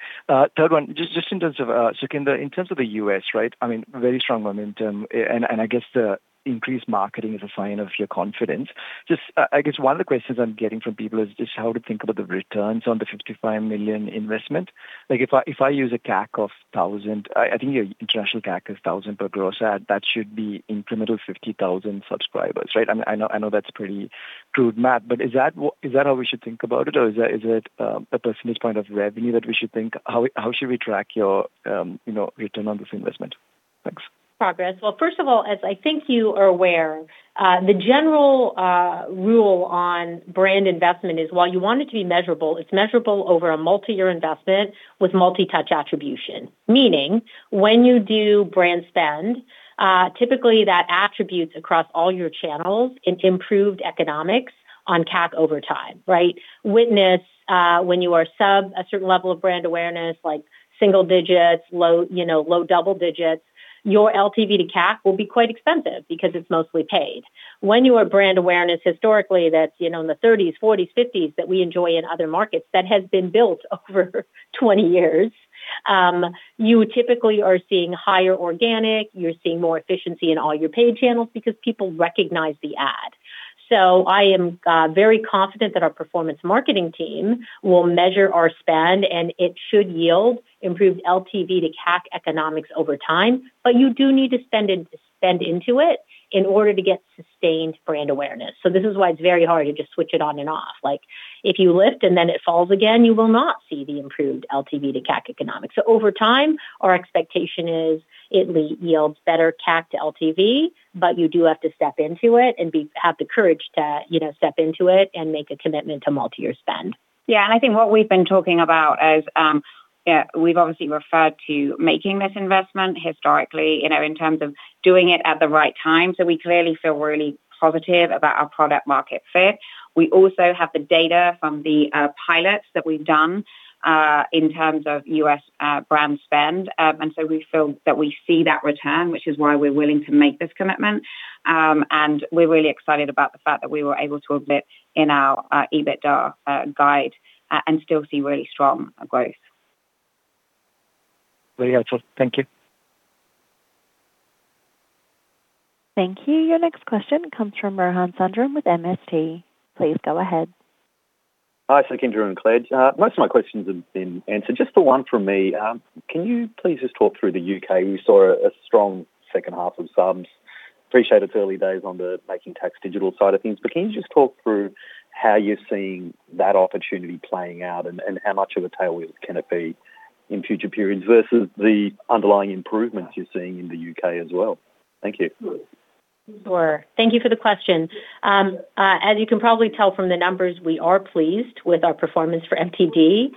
Third one, just in terms of Sukhinder, in terms of the U.S., right? I mean, very strong momentum, and I guess the increased marketing is a sign of your confidence. Just, I guess one of the questions I'm getting from people is just how to think about the returns on the 55 million investment. Like, if I, if I use a CAC of 1,000, I think your international CAC is 1,000 per gross add, that should be incremental 50,000 subscribers, right? I mean, I know that's pretty crude math, but is that how we should think about it? Or is it, is it a percentage point of revenue that we should think? How, how should we track your, you know, return on this investment? Thanks. Progress. Well, first of all, as I think you are aware, the general rule on brand investment is while you want it to be measurable, it's measurable over a multi-year investment with multi-touch attribution. Meaning when you do brand spend, typically that attributes across all your channels in improved economics on CAC over time, right? Witness, when you are sub a certain level of brand awareness, like single-digits, low, you know, low-double-digits, your LTV to CAC will be quite expensive because it's mostly paid. When you are brand awareness historically, that's, you know, in the 30s, 40s, 50s that we enjoy in other markets that has been built over 20 years, you typically are seeing higher organic, you're seeing more efficiency in all your paid channels because people recognize the ad. I am very confident that our performance marketing team will measure our spend, and it should yield improved LTV to CAC economics over time. You do need to spend into it in order to get sustained brand awareness. This is why it's very hard to just switch it on and off. Like, if you lift and then it falls again, you will not see the improved LTV to CAC economics. Over time, our expectation is it yields better CAC to LTV, but you do have to step into it and have the courage to, you know, step into it and make a commitment to multi-year spend. I think what we've been talking about is, we've obviously referred to making this investment historically, you know, in terms of doing it at the right time. We clearly feel really positive about our product market fit. We also have the data from the pilots that we've done in terms of U.S. brand spend. We feel that we see that return, which is why we're willing to make this commitment. We're really excited about the fact that we were able to admit in our EBITDA guide and still see really strong growth. Very helpful. Thank you. Thank you. Your next question comes from Rohan Sundram with MST. Please go ahead. Hi, Sukhinder and Claire. Most of my questions have been answered. Just the one from me. Can you please just talk through the U.K.? We saw a strong second half of subs. Appreciate it's early days on the Making Tax Digital side of things, but can you just talk through how you're seeing that opportunity playing out and how much of a tailwind can it be in future periods versus the underlying improvements you're seeing in the U.K. as well? Thank you. Sure. Thank you for the question. As you can probably tell from the numbers, we are pleased with our performance for Making Tax Digital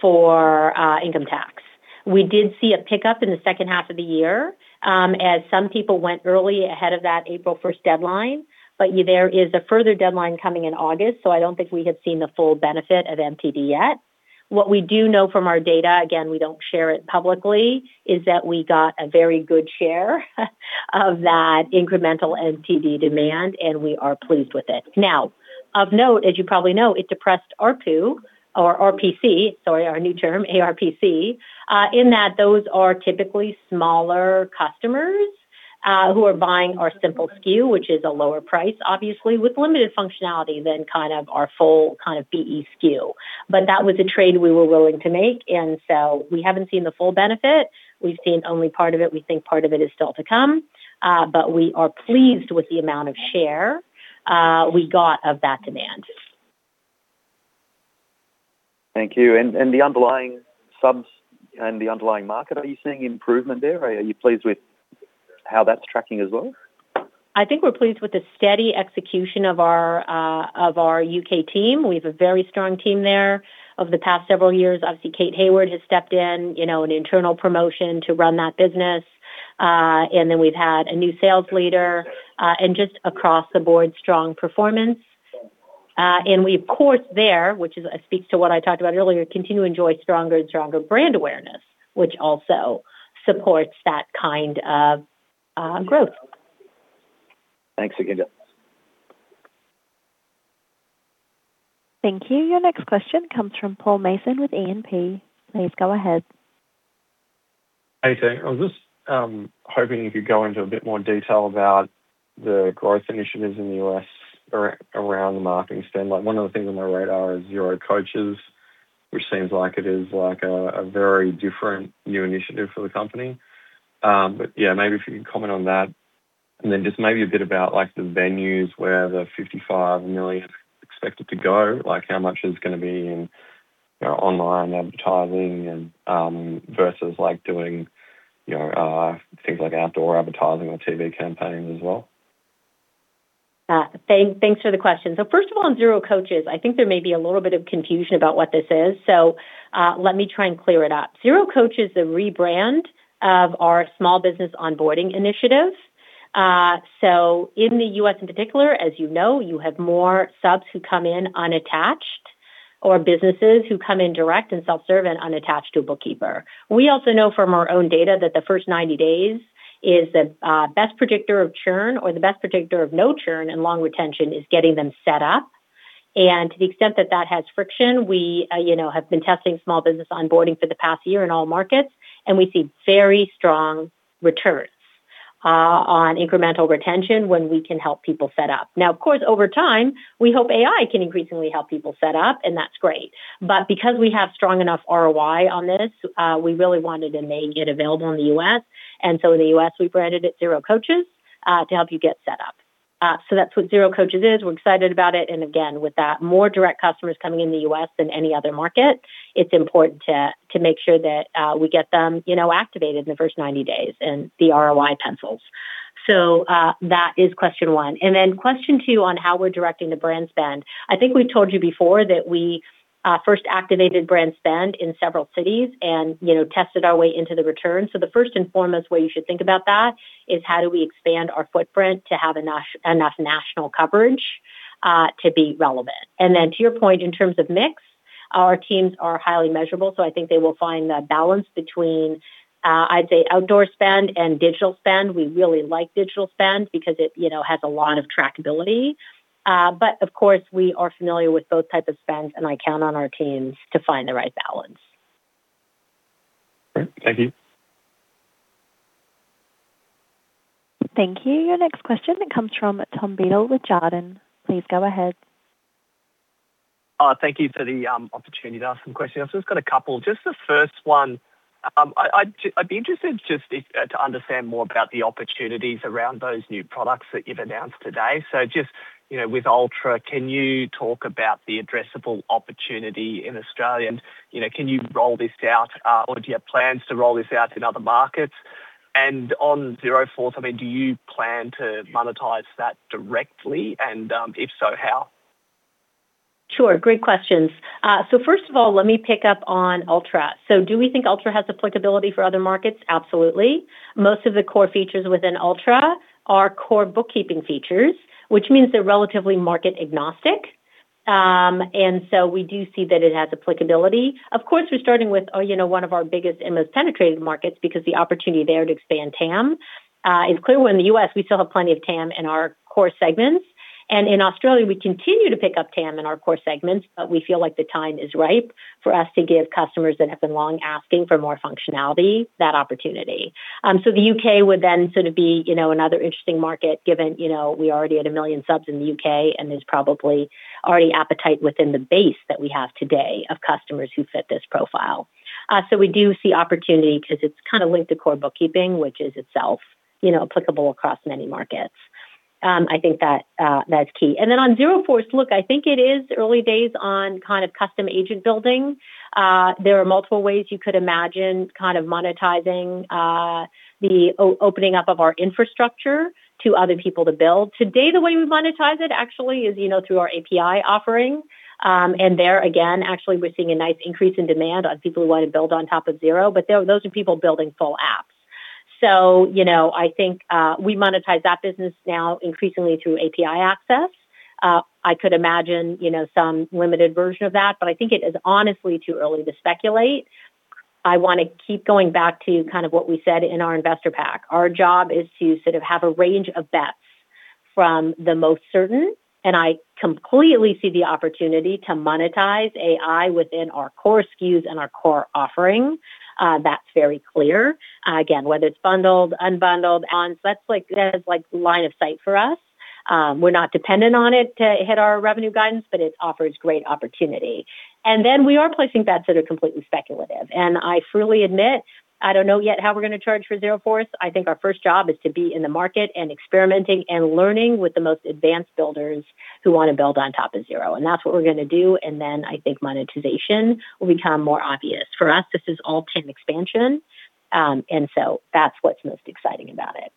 for Income Tax. We did see a pickup in the second half of the year, as some people went early ahead of that April 1st deadline. There is a further deadline coming in August, so I don't think we have seen the full benefit of MTD yet. What we do know from our data, again, we don't share it publicly, is that we got a very good share of that incremental MTD demand, and we are pleased with it. Of note, as you probably know, it depressed ARPU or RPC, sorry, our new term, ARPC, in that those are typically smaller customers who are buying our Simple SKU, which is a lower price, obviously, with limited functionality than our full BE SKU. That was a trade we were willing to make. We haven't seen the full benefit. We've seen only part of it. We think part of it is still to come, but we are pleased with the amount of share we got of that demand. Thank you. The underlying subs and the underlying market, are you seeing improvement there? Are you pleased with how that's tracking as well? I think we're pleased with the steady execution of our, of our U.K. team. We have a very strong team there over the past several years. Obviously, Kate Hayward has stepped in, you know, an internal promotion to run that business. Then we've had a new sales leader, and just across the board strong performance. We of course there, which speaks to what I talked about earlier, continue to enjoy stronger and stronger brand awareness, which also supports that kind of, growth. Thanks, Sukhinder. Thank you. Your next question comes from Paul Mason with E&P. Please go ahead. Hey, Sukhinder. I was just hoping you could go into a bit more detail about the growth initiatives in the U.S. around the marketing spend. One of the things on my radar is Xero Coaches, which seems like it is like a very different new initiative for the company. Yeah, maybe if you could comment on that. Just maybe a bit about like the venues where the 55 million expected to go, like how much is gonna be in, you know, online advertising and versus like doing, you know, things like outdoor advertising or TV campaigns as well. Thanks for the question. First of all, on Xero Coaches, I think there may be a little bit of confusion about what this is, so let me try and clear it up. Xero Coaches, a rebrand of our small business onboarding initiative. In the U.S. in particular, as you know, you have more subs who come in unattached or businesses who come in direct and self-serve and unattached to a bookkeeper. We also know from our own data that the first 90 days is the best predictor of churn or the best predictor of no churn, and long retention is getting them set up. To the extent that that has friction, we, you know, have been testing small business onboarding for the past year in all markets, and we see very strong returns on incremental retention when we can help people set up. Now, of course, over time, we hope AI can increasingly help people set up, and that's great. Because we have strong enough ROI on this, we really wanted to make it available in the U.S. In the U.S., we branded it Xero Coaches to help you get set up. That's what Xero Coaches is. We're excited about it. Again, with that more direct customers coming in the U.S. than any other market, it's important to make sure that we get them, you know, activated in the first 90 days and the ROI pencils. That is question one. Question two on how we're directing the brand spend. I think we've told you before that we first activated brand spend in several cities and, you know, tested our way into the return. The first and foremost way you should think about that is how do we expand our footprint to have enough national coverage to be relevant. To your point, in terms of mix, our teams are highly measurable, I think they will find a balance between, I'd say outdoor spend and digital spend. We really like digital spend because it, you know, has a lot of trackability. Of course, we are familiar with both type of spends, and I count on our teams to find the right balance. Great. Thank you. Thank you. Your next question comes from Tom Beadle with Jarden. Please go ahead. Thank you for the opportunity to ask some questions. I've just got a couple. Just the first one, I'd be interested just if to understand more about the opportunities around those new products that you've announced today. Just, you know, with Ultra, can you talk about the addressable opportunity in Australia? You know, can you roll this out, or do you have plans to roll this out in other markets? On Xero Force, I mean, do you plan to monetize that directly? If so, how? Sure. Great questions. First of all, let me pick up on Ultra. Do we think Ultra has applicability for other markets? Absolutely. Most of the core features within Ultra are core bookkeeping features, which means they're relatively market agnostic. We do see that it has applicability. Of course, we're starting with one of our biggest and most penetrated markets because the opportunity there to expand TAM. It's clear when in the U.S., we still have plenty of TAM in our core segments. And in Australia, we continue to pick up TAM in our core segments, but we feel like the time is ripe for us to give customers that have been long asking for more functionality that opportunity. The U.K. would then sort of be, you know, another interesting market given, you know, we already had 1 million subs in the U.K., and there's probably already appetite within the base that we have today of customers who fit this profile. We do see opportunity 'cause it's kind of linked to core bookkeeping, which is itself, you know, applicable across many markets. I think that's key. On Xero Force, look, I think it is early days on kind of custom agent building. There are multiple ways you could imagine kind of monetizing the opening up of our infrastructure to other people to build. Today, the way we monetize it actually is, you know, through our API offering. There again, actually we're seeing a nice increase in demand on people who want to build on top of Xero, but those are people building full apps. You know, I think, we monetize that business now increasingly through API access. I could imagine, you know, some limited version of that, but I think it is honestly too early to speculate. I want to keep going back to kind of what we said in our investor pack. Our job is to sort of have a range of bets from the most certain, I completely see the opportunity to monetize AI within our core SKUs and our core offering. That's very clear. Again, whether it's bundled, unbundled, that's like, that is like line of sight for us. We're not dependent on it to hit our revenue guidance, but it offers great opportunity. We are placing bets that are completely speculative, and I freely admit, I don't know yet how we're gonna charge for Xero Force. I think our first job is to be in the market and experimenting and learning with the most advanced builders who wanna build on top of Xero. That's what we're gonna do. I think monetization will become more obvious. For us, this is all TAM expansion. That's what's most exciting about it.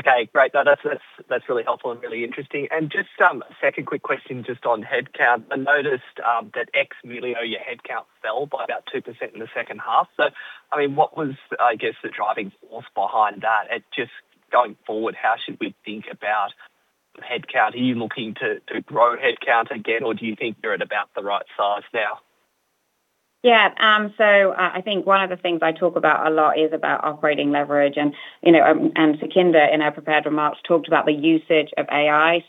Okay, great. No, that's really helpful and really interesting. Just a second quick question just on headcount. I noticed that ex Melio, your headcount fell by about 2% in the second half. I mean, what was, I guess, the driving force behind that? Just going forward, how should we think about headcount? Are you looking to grow headcount again, or do you think you're at about the right size now? Yeah. I think one of the things I talk about a lot is about operating leverage and, you know, Sukhinder, in our prepared remarks, talked about the usage of AI.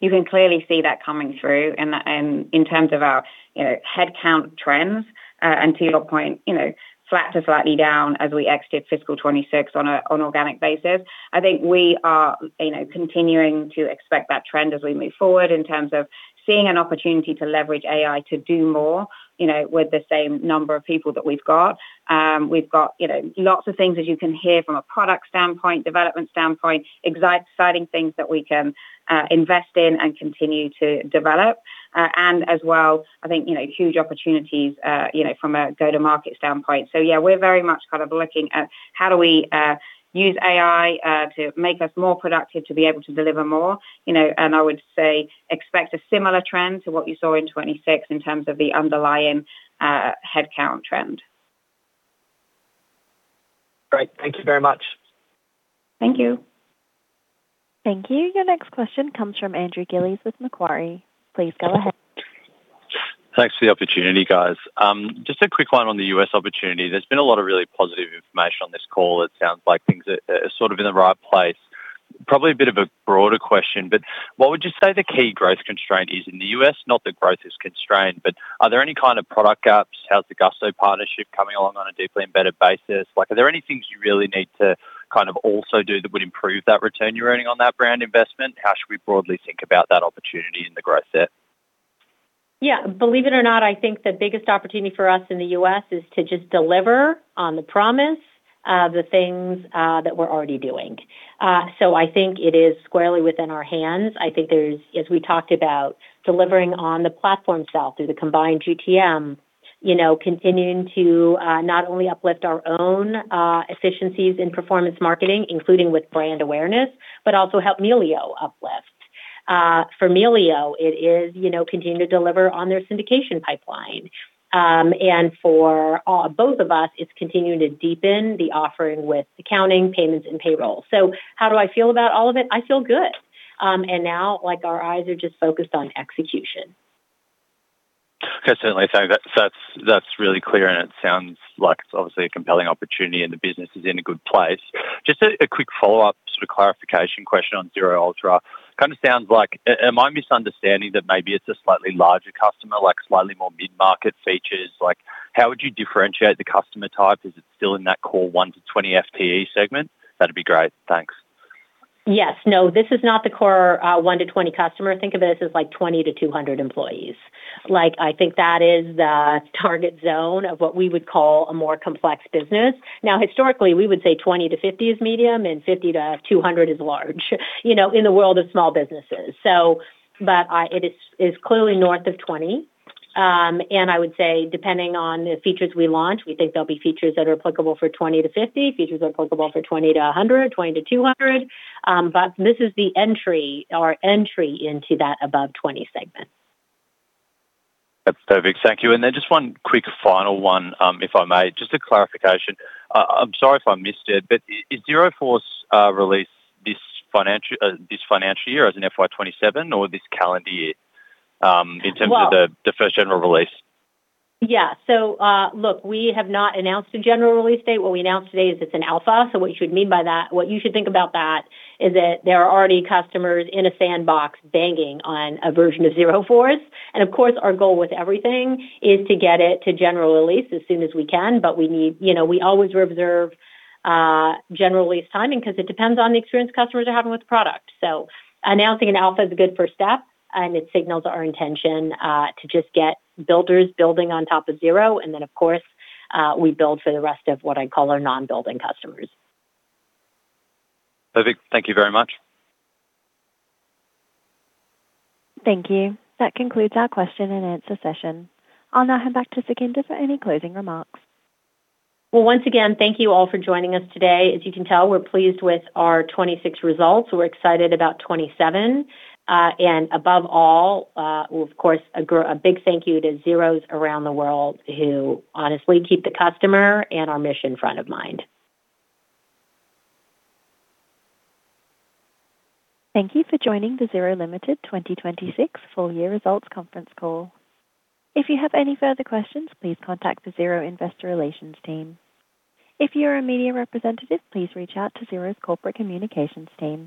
You can clearly see that coming through in terms of our, you know, headcount trends. To your point, you know, flat to slightly down as we exited fiscal 2026 on organic basis. I think we are, you know, continuing to expect that trend as we move forward in terms of seeing an opportunity to leverage AI to do more, you know, with the same number of people that we've got. We've got, you know, lots of things that you can hear from a product standpoint, development standpoint, exciting things that we can invest in and continue to develop. As well, I think, you know, huge opportunities from a go-to-market standpoint. Yeah, we're very much kind of looking at how do we use AI to make us more productive to be able to deliver more, you know. I would say expect a similar trend to what you saw in 2026 in terms of the underlying headcount trend. Great. Thank you very much. Thank you. Thank you. Your next question comes from Andrew Gillies with Macquarie. Please go ahead. Thanks for the opportunity, guys. Just a quick one on the U.S. opportunity. There's been a lot of really positive information on this call. It sounds like things are sort of in the right place. Probably a bit of a broader question, what would you say the key growth constraint is in the U.S.? Not that growth is constrained, but are there any kind of product gaps? How's the Gusto partnership coming along on a deeply embedded basis? Like, are there any things you really need to kind of also do that would improve that return you're earning on that brand investment? How should we broadly think about that opportunity in the growth set? Yeah. Believe it or not, I think the biggest opportunity for us in the U.S. is to just deliver on the promise of the things that we're already doing. I think it is squarely within our hands. I think there's as we talked about, delivering on the platform sell through the combined GTM, you know, continuing to not only uplift our own efficiencies in performance marketing, including with brand awareness, but also help Melio uplift. For Melio, it is, you know, continue to deliver on their syndication pipeline. For both of us, it's continuing to deepen the offering with accounting, payments, and payroll. How do I feel about all of it? I feel good. Now, like, our eyes are just focused on execution. Okay. Certainly. That's really clear, and it sounds like it's obviously a compelling opportunity, and the business is in a good place. Just a quick follow-up sort of clarification question on Xero Ultra. Kinda sounds like am I misunderstanding that maybe it's a slightly larger customer, like slightly more mid-market features? Like, how would you differentiate the customer type? Is it still in that core one to 20 FTE segment? That'd be great. Thanks. Yes. No, this is not the core one to 20 customer. Think of it as, like, 20 to 200 employees. Like, I think that is the target zone of what we would call a more complex business. Now, historically, we would say 20 to 50 is medium, and 50 to 200 is large, you know, in the world of small businesses. It is clearly north of 20. And I would say depending on the features we launch, we think there'll be features that are applicable for 20 to 50, features that are applicable for 20 to 100, 20 to 200. But this is the entry or entry into that above 20 segment. That's perfect. Thank you. Just one quick final one, if I may. Just a clarification. I'm sorry if I missed it, but is Xero Force release this financial, this financial year as in FY 2027 or this calendar year- Well- -in terms of the first general release? Yeah. Look, we have not announced a general release date. What we announced today is it's an alpha. What you should think about that is that there are already customers in a sandbox banging on a version of Xero Force. Of course, our goal with everything is to get it to general release as soon as we can, but we need You know, we always reserve general release timing 'cause it depends on the experience customers are having with the product. Announcing an alpha is a good first step, and it signals our intention to just get builders building on top of Xero. Of course, we build for the rest of what I call our non-building customers. Perfect. Thank you very much. Thank you. That concludes our question and answer session. I'll now hand back to Sukhinder for any closing remarks. Well, once again, thank you all for joining us today. As you can tell, we're pleased with our 2026 results. We're excited about 2027. Above all, of course, a big thank you to Xero's around the world who honestly keep the customer and our mission front of mind. Thank you for joining the Xero Limited 2026 full year results conference call. If you have any further questions, please contact the Xero investor relations team. If you're a media representative, please reach out to Xero's corporate communications team.